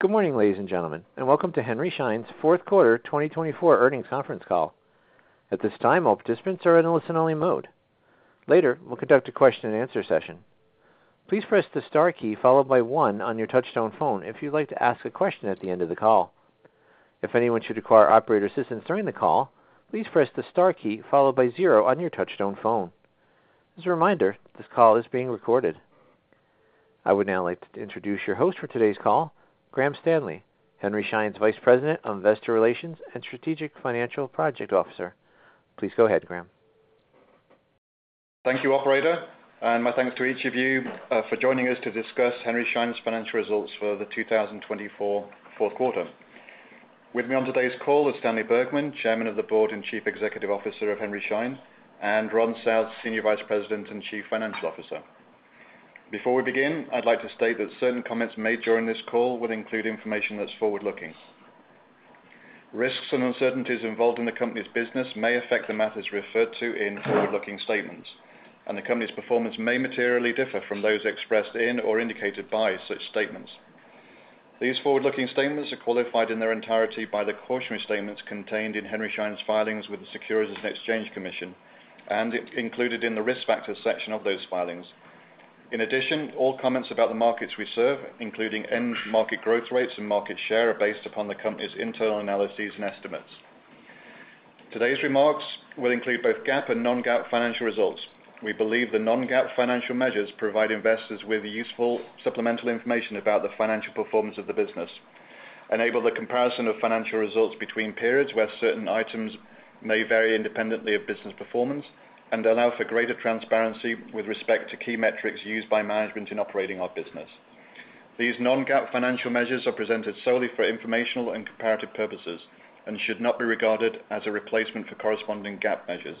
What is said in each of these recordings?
Good morning, ladies and gentlemen, and welcome to Henry Schein's fourth quarter 2024 earnings conference call. At this time, all participants are in a listen-only mode. Later, we'll conduct a question-and-answer session. Please press the star key followed by one on your touch-tone phone if you'd like to ask a question at the end of the call. If anyone should require operator assistance during the call, please press the star key followed by zero on your touch-tone phone. As a reminder, this call is being recorded. I would now like to introduce your host for today's call, Graham Stanley, Henry Schein's Vice President of Investor Relations and Strategic Financial Project Officer. Please go ahead, Graham. Thank you, Operator. And my thanks to each of you for joining us to discuss Henry Schein's financial results for the 2024 fourth quarter. With me on today's call is Stanley Bergman, Chairman of the Board and Chief Executive Officer of Henry Schein, and Ron South, Senior Vice President and Chief Financial Officer. Before we begin, I'd like to state that certain comments made during this call will include information that's forward-looking. Risks and uncertainties involved in the company's business may affect the matters referred to in forward-looking statements, and the company's performance may materially differ from those expressed in or indicated by such statements. These forward-looking statements are qualified in their entirety by the cautionary statements contained in Henry Schein's filings with the Securities and Exchange Commission and included in the risk factors section of those filings. In addition, all comments about the markets we serve, including end market growth rates and market share, are based upon the company's internal analyses and estimates. Today's remarks will include both GAAP and non-GAAP financial results. We believe the non-GAAP financial measures provide investors with useful supplemental information about the financial performance of the business, enable the comparison of financial results between periods where certain items may vary independently of business performance, and allow for greater transparency with respect to key metrics used by management in operating our business. These non-GAAP financial measures are presented solely for informational and comparative purposes and should not be regarded as a replacement for corresponding GAAP measures.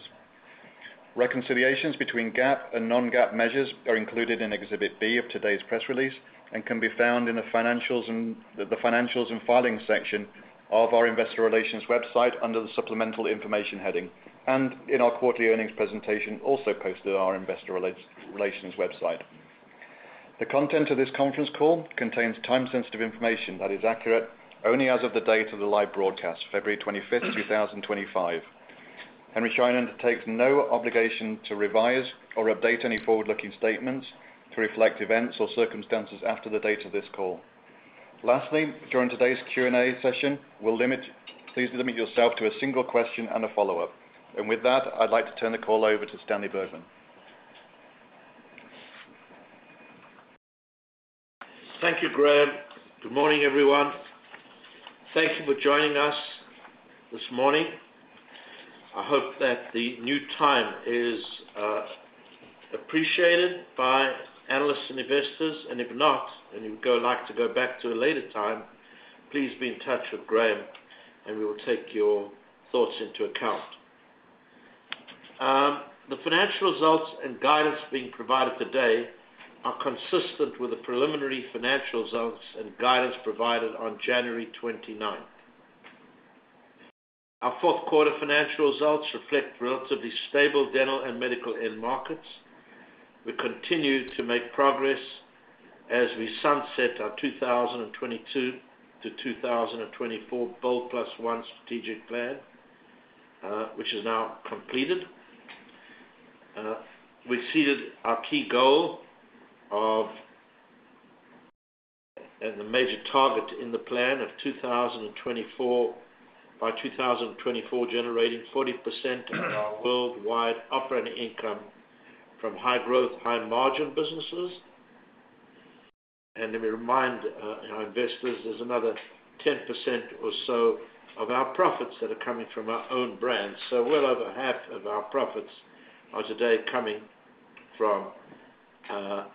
Reconciliations between GAAP and Non-GAAP measures are included in Exhibit B of today's press release and can be found in the financials and filings section of our Investor Relations website under the supplemental information heading and in our quarterly earnings presentation also posted on our Investor Relations website. The content of this conference call contains time-sensitive information that is accurate only as of the date of the live broadcast, February 25th, 2025. Henry Schein undertakes no obligation to revise or update any forward-looking statements to reflect events or circumstances after the date of this call. Lastly, during today's Q&A session, please limit yourself to a single question and a follow-up. And with that, I'd like to turn the call over to Stanley Bergman. Thank you, Graham. Good morning, everyone. Thank you for joining us this morning. I hope that the new time is appreciated by analysts and investors. If not, and you would like to go back to a later time, please be in touch with Graham, and we will take your thoughts into account. The financial results and guidance being provided today are consistent with the preliminary financial results and guidance provided on January 29th. Our fourth quarter financial results reflect relatively stable dental and medical end markets. We continue to make progress as we sunset our 2022-2024 BOLD+1 strategic plan, which is now completed. We exceeded our key goal and the major target in the plan of 2024 by 2024, generating 40% of our worldwide operating income from high-growth, high-margin businesses. Let me remind our investors, there's another 10% or so of our profits that are coming from our own brands. So well over half of our profits are today coming from our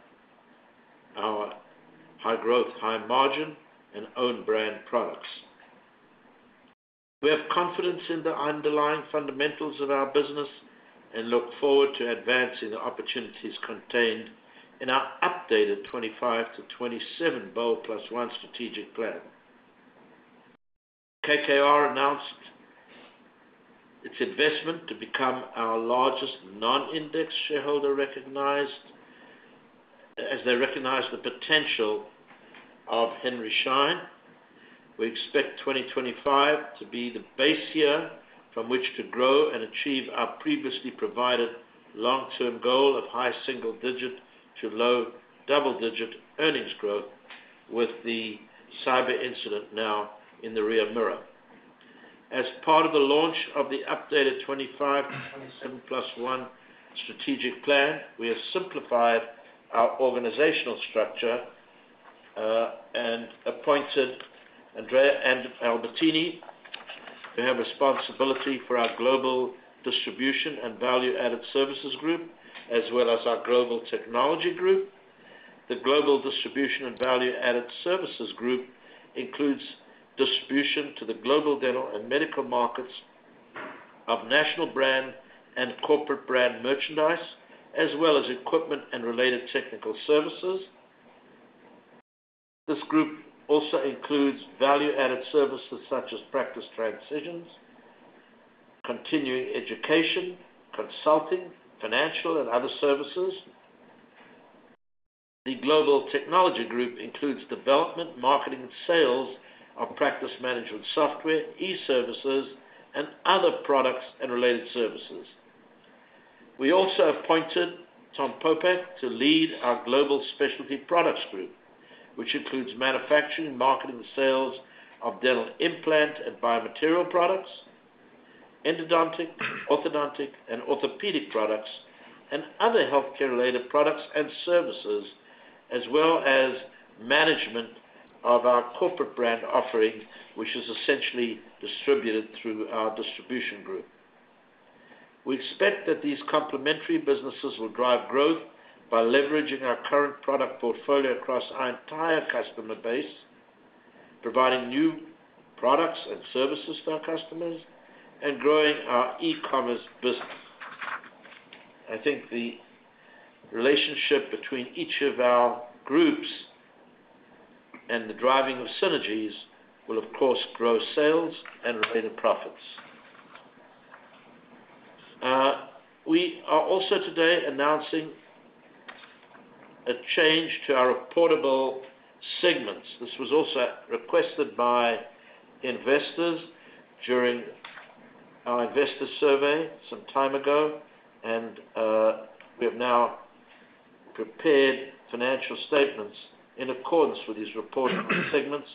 high-growth, high-margin, and own-brand products. We have confidence in the underlying fundamentals of our business and look forward to advancing the opportunities contained in our updated 2025 to 2027 BOLD+1 strategic plan. KKR announced its investment to become our largest non-index shareholder, as they recognize the potential of Henry Schein. We expect 2025 to be the base year from which to grow and achieve our previously provided long-term goal of high single-digit to low double-digit earnings growth with the cyber incident now in the rear mirror. As part of the launch of the updated 2025 to 2027 BOLD+1 strategic plan, we have simplified our organizational structure and appointed Andrea Albertini to have responsibility for our Global Distribution and Value-Added Services Group, as well as our Global Technology Group. The Global Distribution and Value-Added Services Group includes distribution to the global dental and medical markets of national brand and corporate brand merchandise, as well as equipment and related technical services. This group also includes value-added services such as practice transitions, continuing education, consulting, financial, and other services. The Global Technology Group includes development, marketing, and sales of practice management software, eServices, and other products and related services. We also appointed Tom Popeck to lead our Global Specialty Products Group, which includes manufacturing, marketing, and sales of dental implant and biomaterial products, endodontic, orthodontic, and orthopedic products, and other healthcare-related products and services, as well as management of our corporate brand offering, which is essentially distributed through our distribution group. We expect that these complementary businesses will drive growth by leveraging our current product portfolio across our entire customer base, providing new products and services to our customers, and growing our e-commerce business. I think the relationship between each of our groups and the driving of synergies will, of course, grow sales and related profits. We are also today announcing a change to our reportable segments. This was also requested by investors during our investor survey some time ago, and we have now prepared financial statements in accordance with these reporting segments,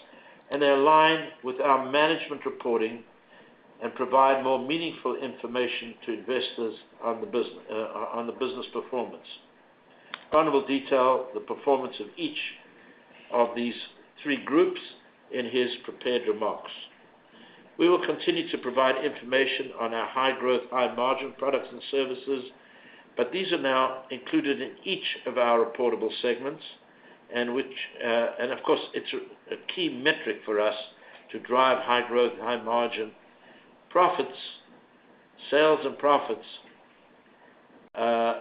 and they align with our management reporting and provide more meaningful information to investors on the business performance. Ron will detail the performance of each of these three groups in his prepared remarks. We will continue to provide information on our high-growth, high-margin products and services, but these are now included in each of our reportable segments, and of course, it's a key metric for us to drive high-growth, high-margin profits, sales and profits, a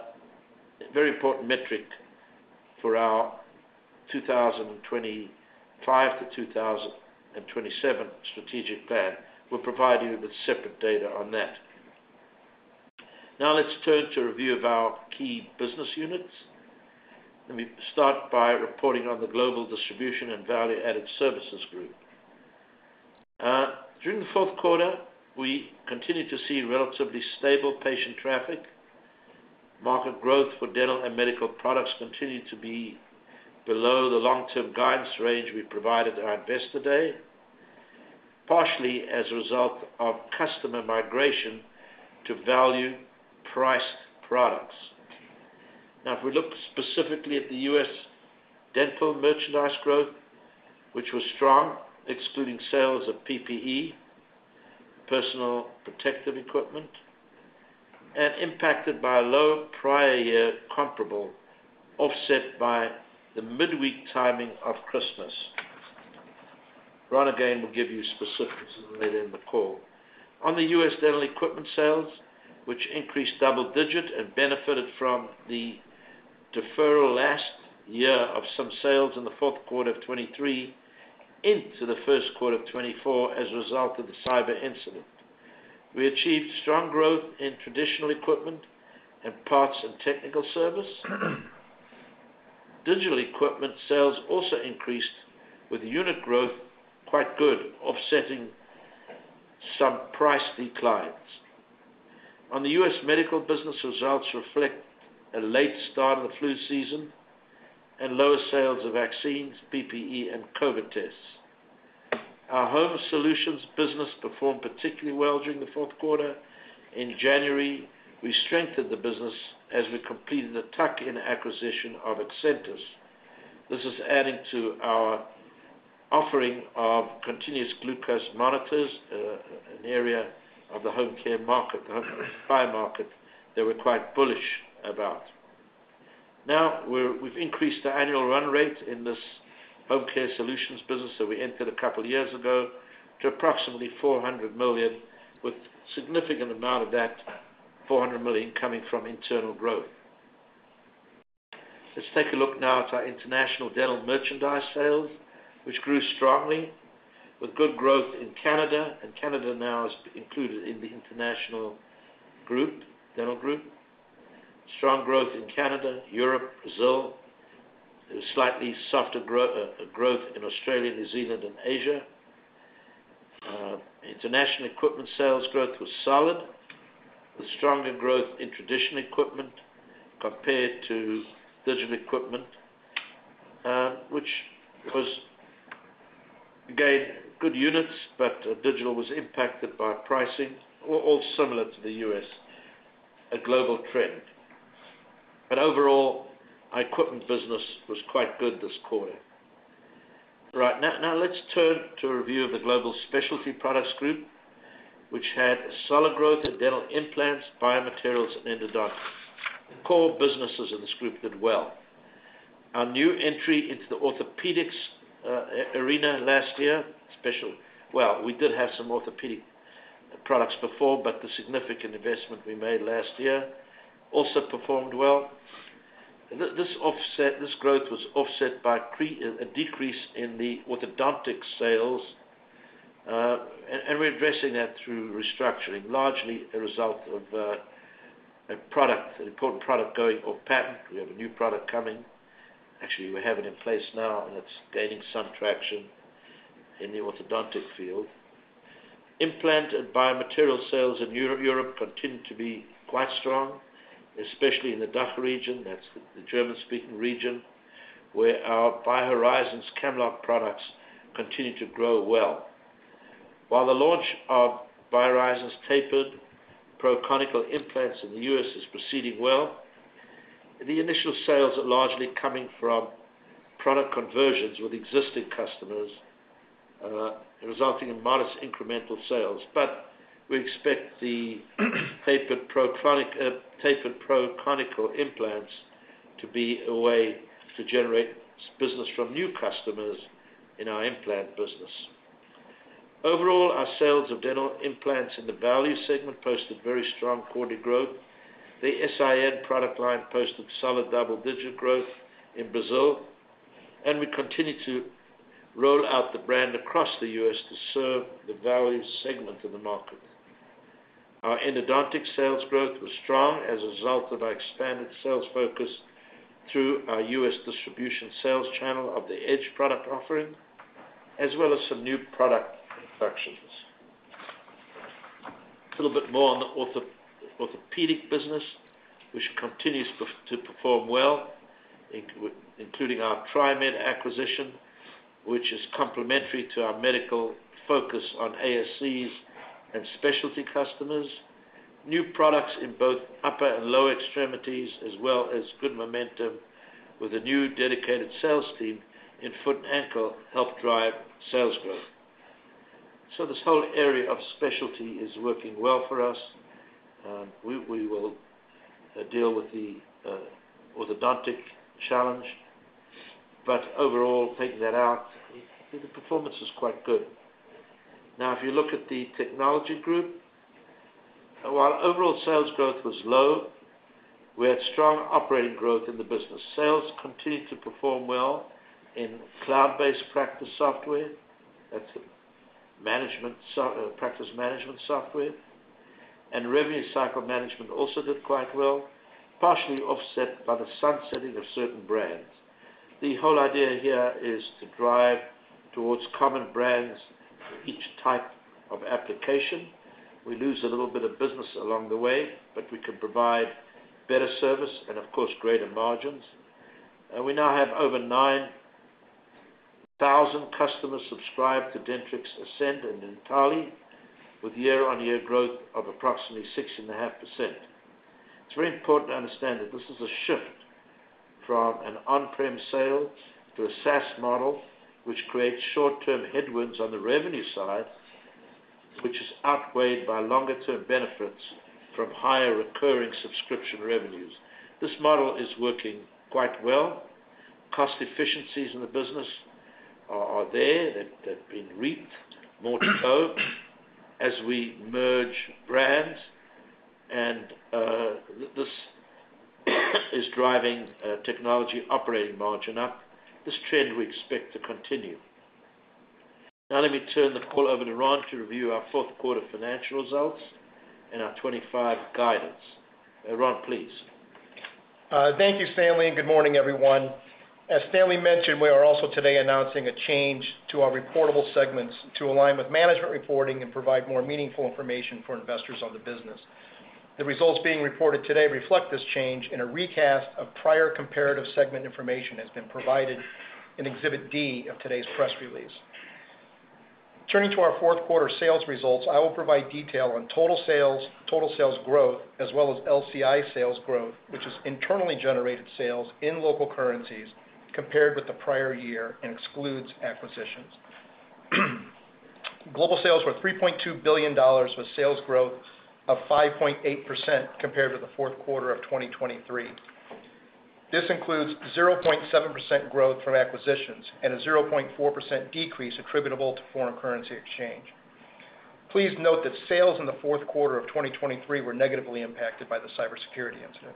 very important metric for our 2025 to 2027 strategic plan. We'll provide you with separate data on that. Now let's turn to review of our key business units. Let me start by reporting on the Global Distribution and Value-Added Services Group. During the fourth quarter, we continue to see relatively stable patient traffic. Market growth for dental and medical products continued to be below the long-term guidance range we provided our Investor Day, partially as a result of customer migration to value-priced products. Now, if we look specifically at the U.S. dental merchandise growth, which was strong, excluding sales of PPE, personal protective equipment, and impacted by a low prior-year comparable offset by the midweek timing of Christmas. Ron again will give you specifics later in the call. On the U.S. dental equipment sales, which increased double-digit and benefited from the deferral last year of some sales in the fourth quarter of 2023 into the first quarter of 2024 as a result of the cyber incident. We achieved strong growth in traditional equipment and parts and technical service. Digital equipment sales also increased with unit growth quite good, offsetting some price declines. On the U.S. medical business, results reflect a late start of the flu season and lower sales of vaccines, PPE, and COVID tests. Our Home Solutions business performed particularly well during the fourth quarter. In January, we strengthened the business as we completed a tuck-in acquisition of Acentus. This is adding to our offering of continuous glucose monitors, an area of the home care market, the home care supply market, that we're quite bullish about. Now, we've increased the annual run rate in this home care solutions business that we entered a couple of years ago to approximately $400 million, with a significant amount of that $400 million coming from internal growth. Let's take a look now at our international dental merchandise sales, which grew strongly with good growth in Canada, and Canada now is included in the international dental group. Strong growth in Canada, Europe, Brazil. There was slightly softer growth in Australia, New Zealand, and Asia. International equipment sales growth was solid, with stronger growth in traditional equipment compared to digital equipment, which was, again, good units, but digital was impacted by pricing, all similar to the U.S., a global trend. But overall, our equipment business was quite good this quarter. All right. Now, let's turn to a review of the Global Specialty Products Group, which had solid growth in dental implants, biomaterials, and endodontics. Core businesses in this group did well. Our new entry into the orthopedics arena last year well, we did have some orthopedic products before, but the significant investment we made last year also performed well. This growth was offset by a decrease in the orthodontic sales, and we're addressing that through restructuring, largely a result of an important product going off patent. We have a new product coming. Actually, we have it in place now, and it's gaining some traction in the orthodontic field. Implant and biomaterial sales in Europe continue to be quite strong, especially in the DACH region. That's the German-speaking region where our BioHorizons Camlog products continue to grow well. While the launch of BioHorizons Tapered Pro Conical implants in the U.S. is proceeding well, the initial sales are largely coming from product conversions with existing customers, resulting in modest incremental sales. But we expect the Tapered Pro Conical implants to be a way to generate business from new customers in our implant business. Overall, our sales of dental implants in the value segment posted very strong quarterly growth. The S.I.N product line posted solid double-digit growth in Brazil, and we continue to roll out the brand across the U.S. to serve the value segment of the market. Our endodontic sales growth was strong as a result of our expanded sales focus through our U.S. distribution sales channel of the EdgeEndo, as well as some new product inflections. A little bit more on the orthopedic business, which continues to perform well, including our TriMed acquisition, which is complementary to our medical focus on ASCs and specialty customers. New products in both upper and lower extremities, as well as good momentum with a new dedicated sales team in foot and ankle, help drive sales growth. So this whole area of specialty is working well for us, and we will deal with the orthodontic challenge. But overall, taking that out, the performance is quite good. Now, if you look at the technology group, while overall sales growth was low, we had strong operating growth in the business. Sales continued to perform well in cloud-based practice software. That's practice management software. And revenue cycle management also did quite well, partially offset by the sunsetting of certain brands. The whole idea here is to drive towards common brands for each type of application. We lose a little bit of business along the way, but we can provide better service and, of course, greater margins. We now have over 9,000 customers subscribed to Dentrix Ascend and Dentally, with year-on-year growth of approximately 6.5%. It's very important to understand that this is a shift from an on-prem sale to a SaaS model, which creates short-term headwinds on the revenue side, which is outweighed by longer-term benefits from higher recurring subscription revenues. This model is working quite well. Cost efficiencies in the business are there. They've been reaped more to go as we merge brands, and this is driving technology operating margin up. This trend we expect to continue. Now, let me turn the call over to Ron to review our fourth quarter financial results and our 2025 guidance. Ron, please. Thank you, Stanley. And good morning, everyone. As Stanley mentioned, we are also today announcing a change to our reportable segments to align with management reporting and provide more meaningful information for investors on the business. The results being reported today reflect this change, and a recast of prior comparative segment information has been provided in Exhibit D of today's press release. Turning to our fourth quarter sales results, I will provide detail on total sales, total sales growth, as well as LCI sales growth, which is internally generated sales in local currencies compared with the prior year and excludes acquisitions. Global sales were $3.2 billion, with sales growth of 5.8% compared with the fourth quarter of 2023. This includes 0.7% growth from acquisitions and a 0.4% decrease attributable to foreign currency exchange. Please note that sales in the fourth quarter of 2023 were negatively impacted by the cybersecurity incident.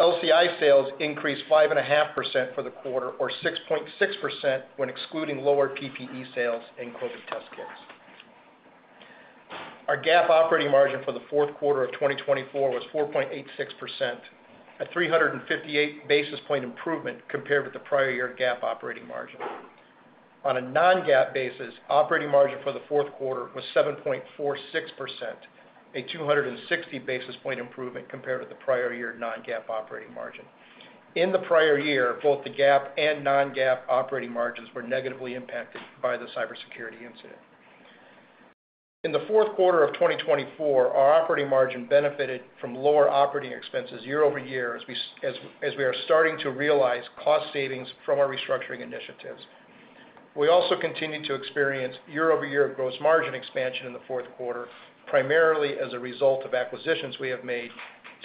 LCI sales increased 5.5% for the quarter, or 6.6% when excluding lower PPE sales and COVID test kits. Our GAAP operating margin for the fourth quarter of 2024 was 4.86%, a 358 basis points improvement compared with the prior-year GAAP operating margin. On a Non-GAAP basis, operating margin for the fourth quarter was 7.46%, a 260 basis points improvement compared with the prior-year Non-GAAP operating margin. In the prior year, both the GAAP and Non-GAAP operating margins were negatively impacted by the cybersecurity incident. In the fourth quarter of 2024, our operating margin benefited from lower operating expenses year-over-year as we are starting to realize cost savings from our restructuring initiatives. We also continue to experience year-over-year gross margin expansion in the fourth quarter, primarily as a result of acquisitions we have made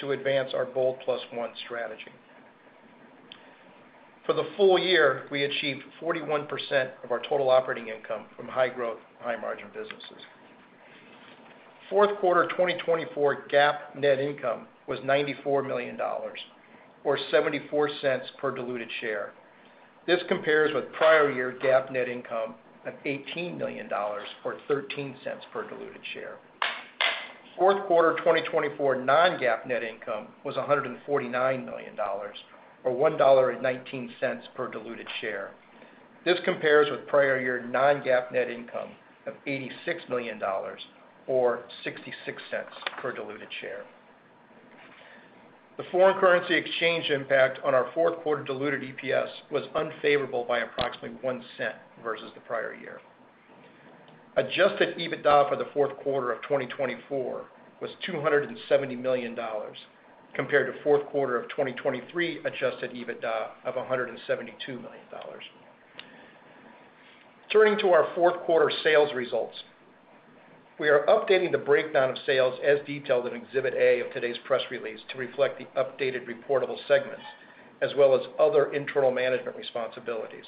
to advance our Bold+1 strategy. For the full year, we achieved 41% of our total operating income from high-growth, high-margin businesses. Fourth quarter 2024 GAAP net income was $94 million, or $0.74 per diluted share. This compares with prior-year GAAP net income of $18 million, or $0.13 per diluted share. Fourth quarter 2024 Non-GAAP net income was $149 million, or $1.19 per diluted share. This compares with prior-year Non-GAAP net income of $86 million, or $0.66 per diluted share. The foreign currency exchange impact on our fourth quarter diluted EPS was unfavorable by approximately $0.01 versus the prior year. Adjusted EBITDA for the fourth quarter of 2024 was $270 million, compared to fourth quarter of 2023 adjusted EBITDA of $172 million. Turning to our fourth quarter sales results, we are updating the breakdown of sales as detailed in Exhibit A of today's press release to reflect the updated reportable segments, as well as other internal management responsibilities.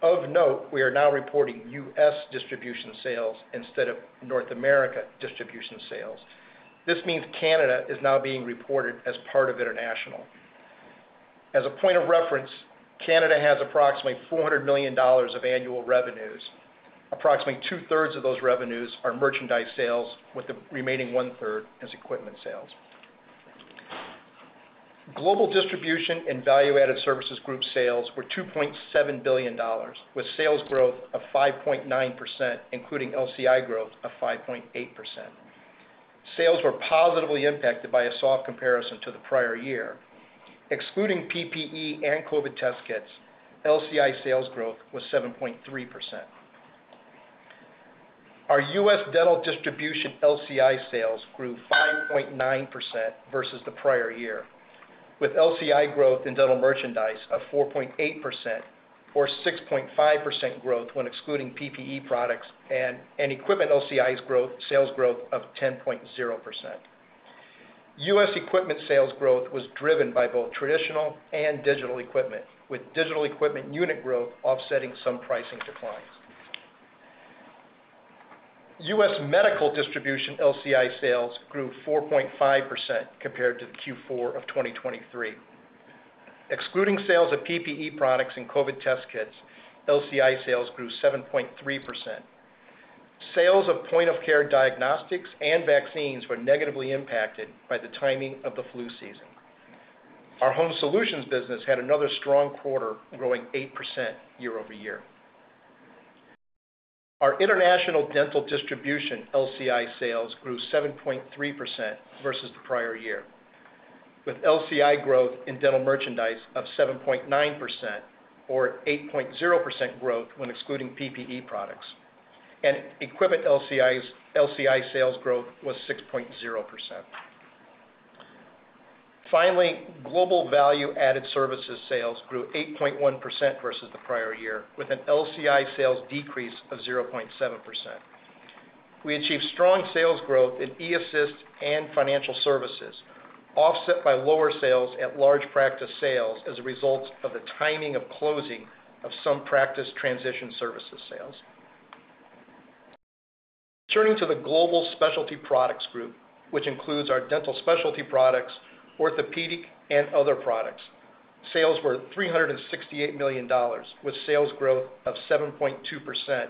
Of note, we are now reporting U.S. distribution sales instead of North America distribution sales. This means Canada is now being reported as part of international. As a point of reference, Canada has approximately $400 million of annual revenues. Approximately two-thirds of those revenues are merchandise sales, with the remaining one-third as equipment sales. Global distribution and value-added services group sales were $2.7 billion, with sales growth of 5.9%, including LCI growth of 5.8%. Sales were positively impacted by a soft comparison to the prior year. Excluding PPE and COVID test kits, LCI sales growth was 7.3%. Our U.S. dental distribution LCI sales grew 5.9% versus the prior year, with LCI growth in dental merchandise of 4.8%, or 6.5% growth when excluding PPE products, and equipment LCI sales growth of 10.0%. U.S. equipment sales growth was driven by both traditional and digital equipment, with digital equipment unit growth offsetting some pricing declines. U.S. medical distribution LCI sales grew 4.5% compared to Q4 of 2023. Excluding sales of PPE products and COVID test kits, LCI sales grew 7.3%. Sales of point-of-care diagnostics and vaccines were negatively impacted by the timing of the flu season. Our Home Solutions business had another strong quarter, growing 8% year-over-year. Our international dental distribution LCI sales grew 7.3% versus the prior year, with LCI growth in dental merchandise of 7.9%, or 8.0% growth when excluding PPE products, and equipment LCI sales growth was 6.0%. Finally, global value-added services sales grew 8.1% versus the prior year, with an LCI sales decrease of 0.7%. We achieved strong sales growth in eAssist and financial services, offset by lower sales at Large Practice Sales as a result of the timing of closing of some practice transition services sales. Turning to the Global Specialty Products Group, which includes our dental specialty products, orthopedic, and other products, sales were $368 million, with sales growth of 7.2%,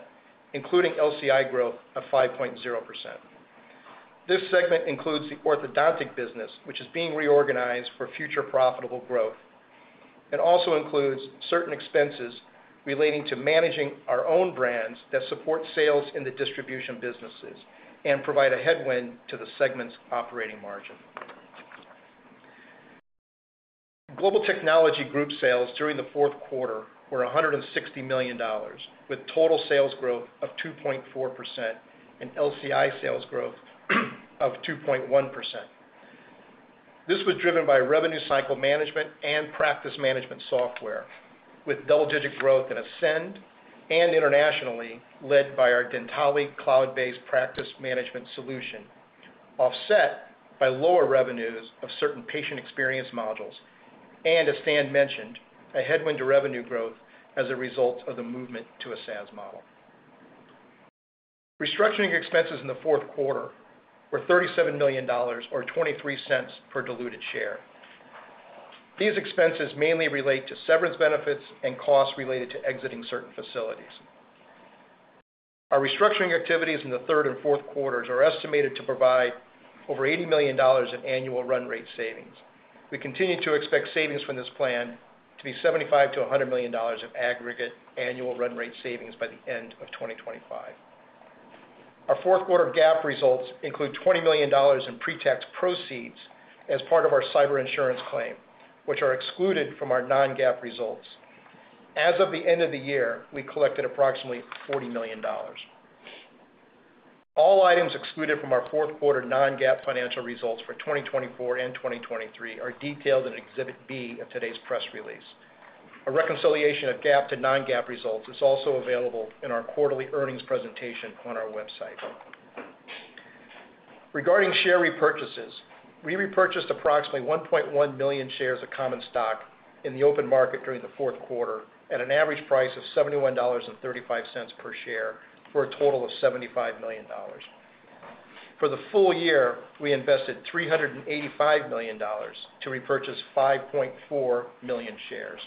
including LCI growth of 5.0%. This segment includes the orthodontic business, which is being reorganized for future profitable growth, and also includes certain expenses relating to managing our own brands that support sales in the distribution businesses and provide a headwind to the segment's operating margin. Global Technology Group sales during the fourth quarter were $160 million, with total sales growth of 2.4% and LCI sales growth of 2.1%. This was driven by revenue cycle management and practice management software, with double-digit growth in Ascend and internationally led by our Dentally cloud-based practice management solution, offset by lower revenues of certain patient experience modules, and as Stan mentioned, a headwind to revenue growth as a result of the movement to a SaaS model. Restructuring expenses in the fourth quarter were $37 million, or $0.23 per diluted share. These expenses mainly relate to severance benefits and costs related to exiting certain facilities. Our restructuring activities in the third and fourth quarters are estimated to provide over $80 million of annual run rate savings. We continue to expect savings from this plan to be $75 million -$100 million of aggregate annual run rate savings by the end of 2025. Our fourth quarter GAAP results include $20 million in pretax proceeds as part of our cyber insurance claim, which are excluded from our non-GAAP results. As of the end of the year, we collected approximately $40 million. All items excluded from our fourth quarter non-GAAP financial results for 2024 and 2023 are detailed in Exhibit B of today's press release. A reconciliation of GAAP to non-GAAP results is also available in our quarterly earnings presentation on our website. Regarding share repurchases, we repurchased approximately 1.1 million shares of common stock in the open market during the fourth quarter at an average price of $71.35 per share for a total of $75 million. For the full year, we invested $385 million to repurchase 5.4 million shares.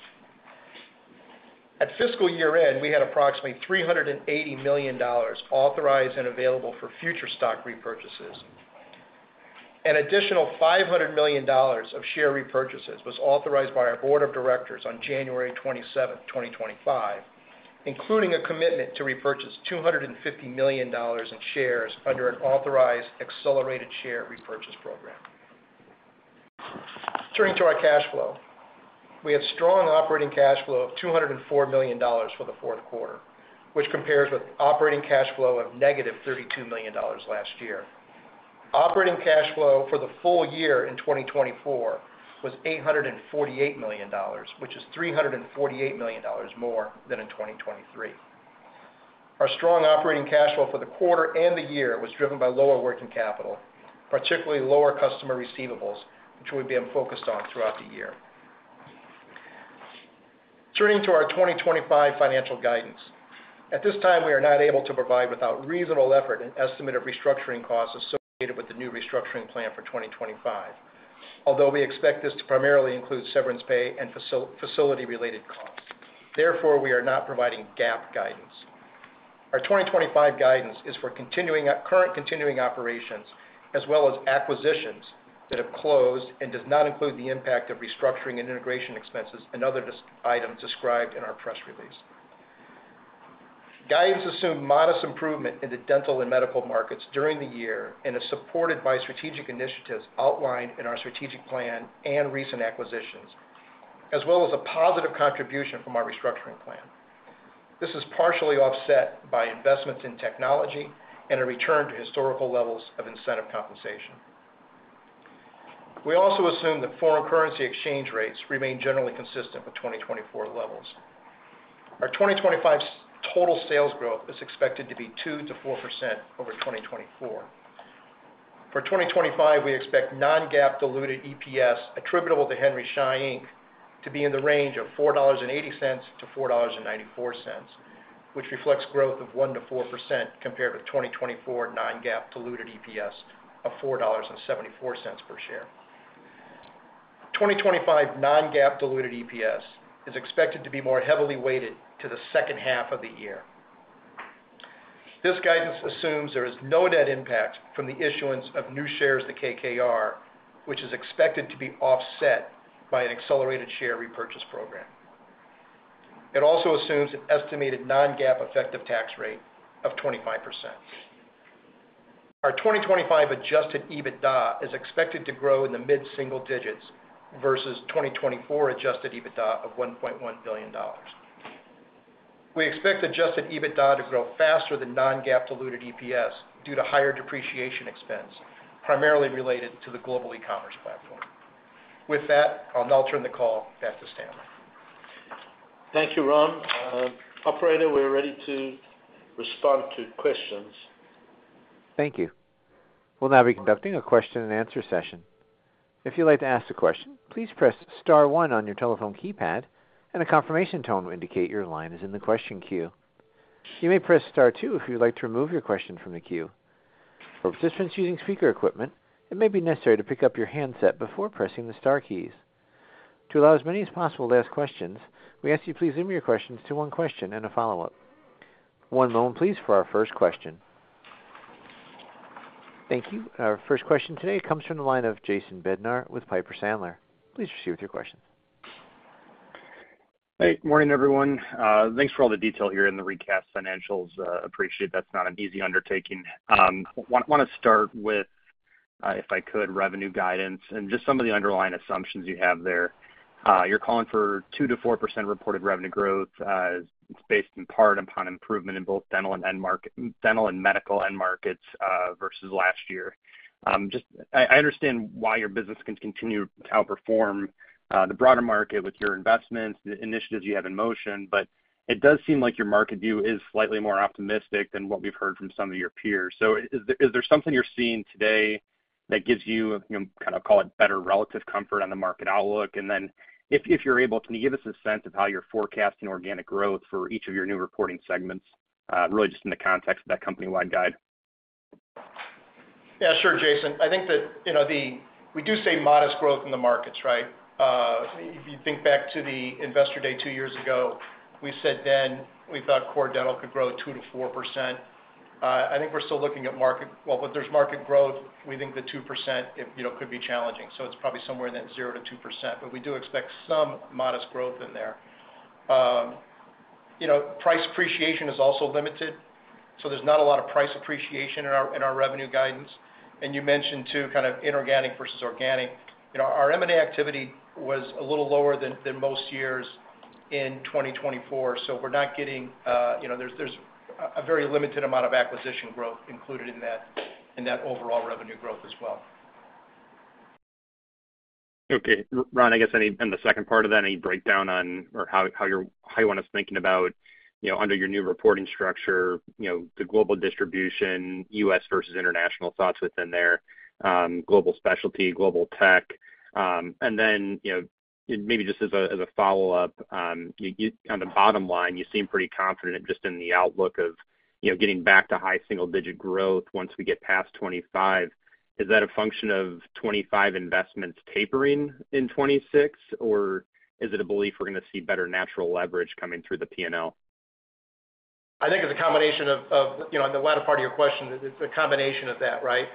At fiscal year-end, we had approximately $380 million authorized and available for future stock repurchases. An additional $500 million of share repurchases was authorized by our board of directors on January 27, 2025, including a commitment to repurchase $250 million in shares under an authorized accelerated share repurchase program. Turning to our cash flow, we had strong operating cash flow of $204 million for the fourth quarter, which compares with operating cash flow of negative $32 million last year. Operating cash flow for the full year in 2024 was $848 million, which is $348 million more than in 2023. Our strong operating cash flow for the quarter and the year was driven by lower working capital, particularly lower customer receivables, which we have been focused on throughout the year. Turning to our 2025 financial guidance, at this time, we are not able to provide without reasonable effort an estimate of restructuring costs associated with the new restructuring plan for 2025, although we expect this to primarily include severance pay and facility-related costs. Therefore, we are not providing GAAP guidance. Our 2025 guidance is for current continuing operations, as well as acquisitions that have closed, and does not include the impact of restructuring and integration expenses and other items described in our press release. Guidance assumed modest improvement in the dental and medical markets during the year and is supported by strategic initiatives outlined in our strategic plan and recent acquisitions, as well as a positive contribution from our restructuring plan. This is partially offset by investments in technology and a return to historical levels of incentive compensation. We also assume that foreign currency exchange rates remain generally consistent with 2024 levels. Our 2025 total sales growth is expected to be 2%-4% over 2024. For 2025, we expect non-GAAP diluted EPS attributable to Henry Schein, Inc., to be in the range of $4.80-$4.94, which reflects growth of 1%-4% compared with 2024 non-GAAP diluted EPS of $4.74 per share. 2025 non-GAAP diluted EPS is expected to be more heavily weighted to the second half of the year. This guidance assumes there is no net impact from the issuance of new shares to KKR, which is expected to be offset by an accelerated share repurchase program. It also assumes an estimated non-GAAP effective tax rate of 25%. Our 2025 adjusted EBITDA is expected to grow in the mid-single digits versus 2024 adjusted EBITDA of $1.1 billion. We expect adjusted EBITDA to grow faster than non-GAAP diluted EPS due to higher depreciation expense, primarily related to the global e-commerce platform. With that, I'll now turn the call back to Stanley. Thank you, Ron. Operator, we're ready to respond to questions. Thank you. We'll now be conducting a question-and-answer session. If you'd like to ask a question, please press star one on your telephone keypad, and a confirmation tone will indicate your line is in the question queue. You may press star two if you'd like to remove your question from the queue. For participants using speaker equipment, it may be necessary to pick up your handset before pressing the star keys. To allow as many as possible to ask questions, we ask that you please limit your questions to one question and a follow-up. One moment, please, for our first question. Thank you. Our first question today comes from the line of Jason Bednar with Piper Sandler. Please proceed with your questions. Hey. Morning, everyone. Thanks for all the detail here in the recap financials. Appreciate that's not an easy undertaking. I want to start with, if I could, revenue guidance and just some of the underlying assumptions you have there. You're calling for 2%-4% reported revenue growth. It's based in part upon improvement in both dental and medical end markets versus last year. I understand why your business can continue to outperform the broader market with your investments, the initiatives you have in motion, but it does seem like your market view is slightly more optimistic than what we've heard from some of your peers. So is there something you're seeing today that gives you, kind of call it, better relative comfort on the market outlook? And then if you're able, can you give us a sense of how you're forecasting organic growth for each of your new reporting segments, really just in the context of that company-wide guide? Yeah, sure, Jason. I think that we do see modest growth in the markets, right? If you think back to the investor day two years ago, we said then we thought core dental could grow 2%-4%. I think we're still looking at market, well, if there's market growth, we think the 2% could be challenging. So it's probably somewhere in that 0%-2%, but we do expect some modest growth in there. Price appreciation is also limited, so there's not a lot of price appreciation in our revenue guidance. And you mentioned too kind of inorganic versus organic. Our M&A activity was a little lower than most years in 2024, so we're not getting. There's a very limited amount of acquisition growth included in that overall revenue growth as well. Okay. Ron, I guess in the second part of that, any breakdown on or how you want us thinking about under your new reporting structure, the global distribution, US versus international thoughts within there, global specialty, global tech? And then maybe just as a follow-up, on the bottom line, you seem pretty confident just in the outlook of getting back to high single-digit growth once we get past 2025. Is that a function of 2025 investments tapering in 2026, or is it a belief we're going to see better natural leverage coming through the P&L? I think it's a combination of the latter part of your question. It's a combination of that, right?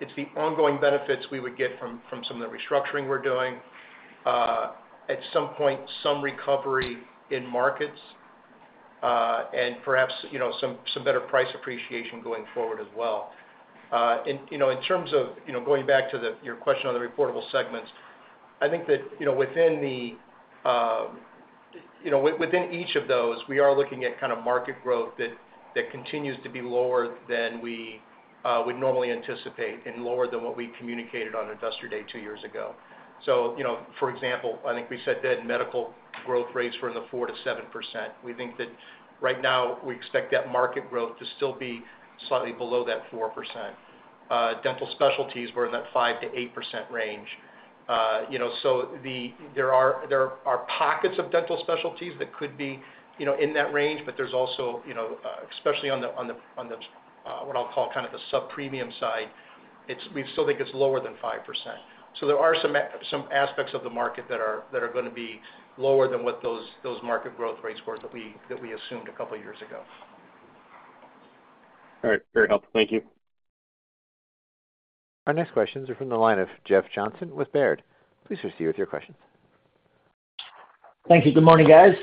It's the ongoing benefits we would get from some of the restructuring we're doing, at some point some recovery in markets, and perhaps some better price appreciation going forward as well. In terms of going back to your question on the reportable segments, I think that within each of those, we are looking at kind of market growth that continues to be lower than we would normally anticipate and lower than what we communicated on investor day two years ago. So, for example, I think we said then medical growth rates were in the 4%-7%. We think that right now we expect that market growth to still be slightly below that 4%. Dental specialties were in that 5%-8% range. So there are pockets of dental specialties that could be in that range, but there's also, especially on the what I'll call kind of the sub-premium side, we still think it's lower than 5%. So there are some aspects of the market that are going to be lower than what those market growth rates were that we assumed a couple of years ago. All right. Very helpful. Thank you. Our next questions are from the line of Jeff Johnson with Baird. Please proceed with your questions. Thank you. Good morning, guys.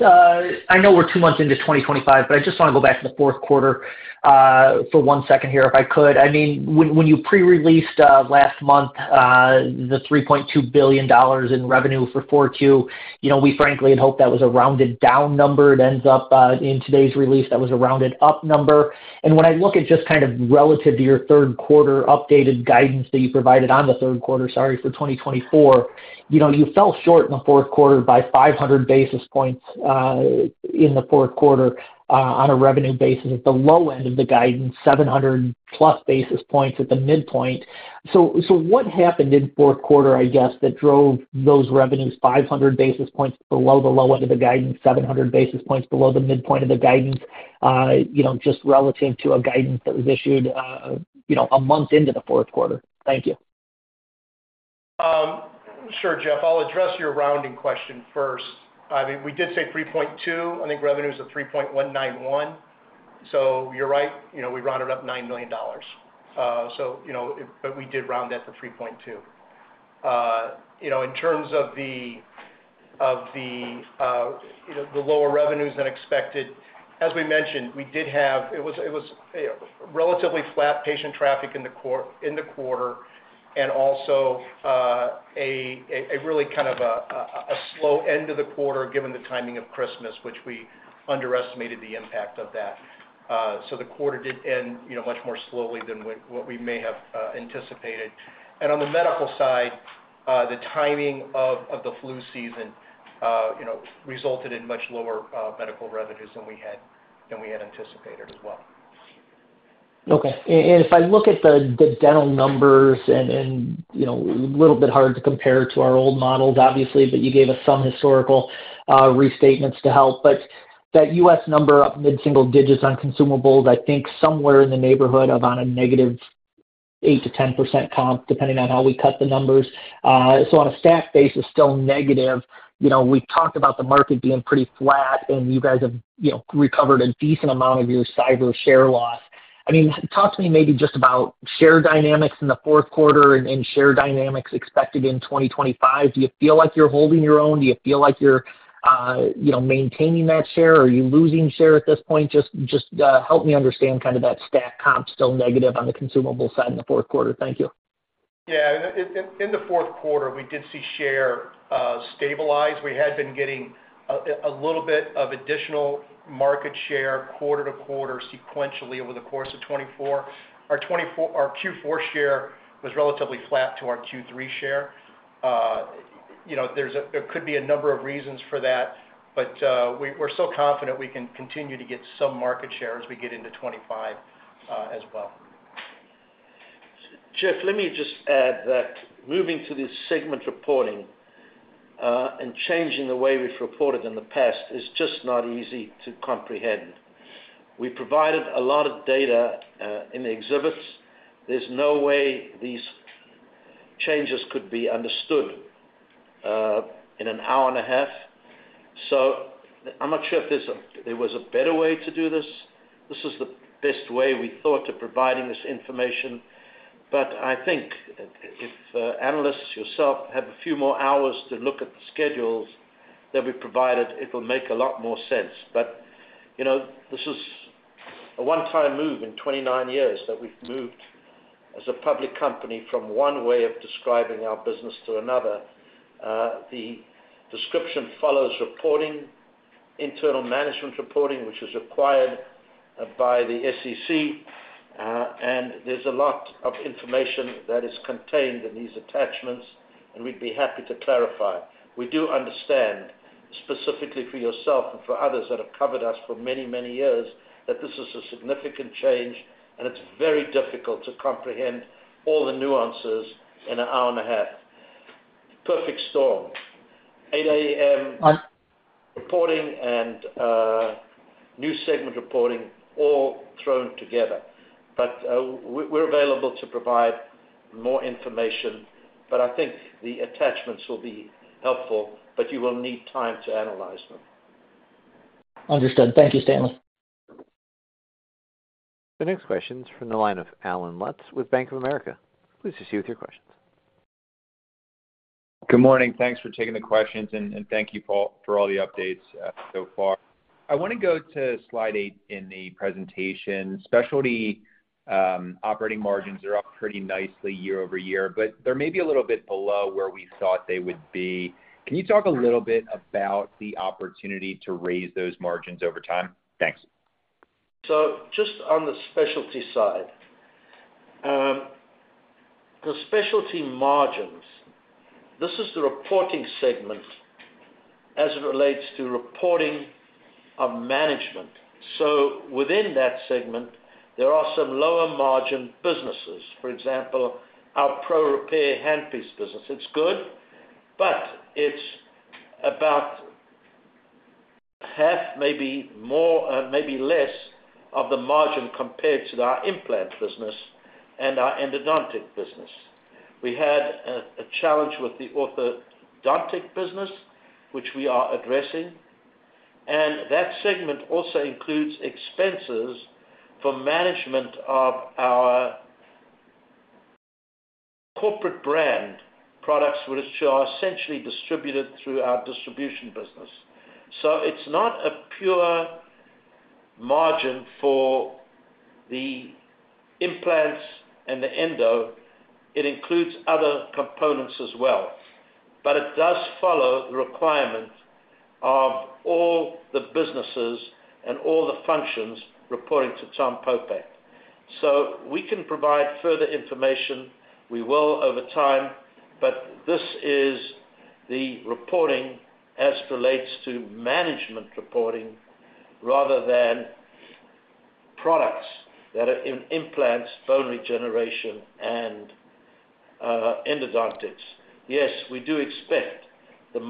I know we're two months into 2025, but I just want to go back to the fourth quarter for one second here if I could. I mean, when you pre-released last month the $3.2 billion in revenue for 4Q, we frankly had hoped that was a rounded-down number. It ends up in today's release that was a rounded-up number. And when I look at just kind of relative to your third quarter updated guidance that you provided on the third quarter, sorry, for 2024, you fell short in the fourth quarter by 500 basis points in the fourth quarter on a revenue basis at the low end of the guidance, 700-plus basis points at the midpoint. So what happened in fourth quarter, I guess, that drove those revenues 500 basis points below the low end of the guidance, 700 basis points below the midpoint of the guidance, just relative to a guidance that was issued a month into the fourth quarter? Thank you. Sure, Jeff. I'll address your rounding question first. I mean, we did say $3.2 billion. I think revenues are $3.191. So you're right. We rounded up $9 million. But we did round that to $3.2 billion. In terms of the lower revenues than expected, as we mentioned, we did have it was relatively flat patient traffic in the quarter and also a really kind of a slow end of the quarter given the timing of Christmas, which we underestimated the impact of that. So the quarter did end much more slowly than what we may have anticipated, and on the medical side, the timing of the flu season resulted in much lower medical revenues than we had anticipated as well. Okay. And if I look at the dental numbers, and a little bit hard to compare to our old models, obviously, but you gave us some historical restatements to help. But that U.S. number up mid-single digits on consumables, I think somewhere in the neighborhood of on a negative 8%-10% comp, depending on how we cut the numbers. So on a stack basis, still negative. We talked about the market being pretty flat, and you guys have recovered a decent amount of your cyber share loss. I mean, talk to me maybe just about share dynamics in the fourth quarter and share dynamics expected in 2025. Do you feel like you're holding your own? Do you feel like you're maintaining that share? Are you losing share at this point? Just help me understand kind of that stack comp still negative on the consumables side in the fourth quarter? Thank you. Yeah. In the fourth quarter, we did see share stabilize. We had been getting a little bit of additional market share quarter to quarter sequentially over the course of 2024. Our Q4 share was relatively flat to our Q3 share. There could be a number of reasons for that, but we're still confident we can continue to get some market share as we get into 2025 as well. Jeff, let me just add that moving to this segment reporting and changing the way we've reported in the past is just not easy to comprehend. We provided a lot of data in the exhibits. There's no way these changes could be understood in an hour and a half. So I'm not sure if there was a better way to do this. This is the best way we thought of providing this information. But I think if analysts yourself have a few more hours to look at the schedules that we provided, it will make a lot more sense. But this is a one-time move in 29 years that we've moved as a public company from one way of describing our business to another. The description follows reporting, internal management reporting, which is required by the SEC. And there's a lot of information that is contained in these attachments, and we'd be happy to clarify. We do understand, specifically for yourself and for others that have covered us for many, many years, that this is a significant change, and it's very difficult to comprehend all the nuances in an hour and a half. Perfect storm. 8:00 A.M. reporting and new segment reporting all thrown together. But we're available to provide more information. But I think the attachments will be helpful, but you will need time to analyze them. Understood. Thank you, Stanley. The next question is from the line of Allen Lutz with Bank of America. Please proceed with your questions. Good morning. Thanks for taking the questions, and thank you for all the updates so far. I want to go to slide eight in the presentation. Specialty operating margins are up pretty nicely year over year, but they're maybe a little bit below where we thought they would be. Can you talk a little bit about the opportunity to raise those margins over time? Thanks. So just on the specialty side, the specialty margins, this is the reporting segment as it relates to reporting of management. So within that segment, there are some lower margin businesses. For example, our ProRepair handpiece business. It's good, but it's about half, maybe more, maybe less of the margin compared to our implant business and our endodontic business. We had a challenge with the orthodontic business, which we are addressing. And that segment also includes expenses for management of our corporate brand products, which are essentially distributed through our distribution business. So it's not a pure margin for the implants and the endo. It includes other components as well. But it does follow the requirement of all the businesses and all the functions reporting to Tom Popeck. So we can provide further information. We will over time, but this is the reporting as it relates to management reporting rather than products that are implants, bone regeneration, and endodontics. Yes, we do expect the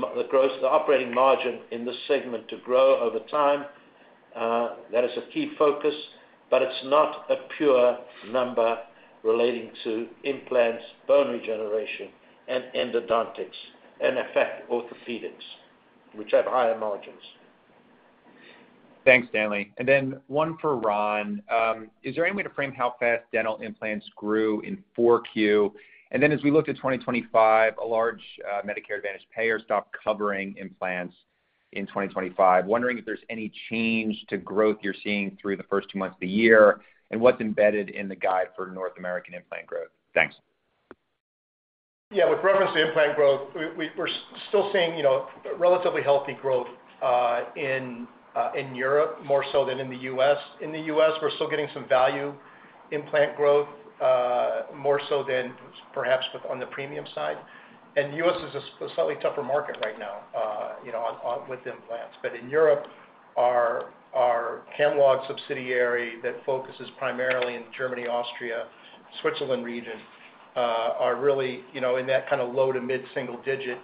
operating margin in this segment to grow over time. That is a key focus, but it's not a pure number relating to implants, bone regeneration, and endodontics, and in fact, orthopedics, which have higher margins. Thanks, Stanley. And then one for Ron. Is there any way to frame how fast dental implants grew in 4Q? And then as we look to 2025, a large Medicare Advantage payer stopped covering implants in 2025. Wondering if there's any change to growth you're seeing through the first two months of the year and what's embedded in the guide for North American implant growth. Thanks. Yeah. With reference to implant growth, we're still seeing relatively healthy growth in Europe more so than in the US. In the US, we're still getting some value implant growth more so than perhaps on the premium side. And the US is a slightly tougher market right now with implants. But in Europe, our Camlog subsidiary that focuses primarily in Germany, Austria, Switzerland region are really in that kind of low to mid-single digit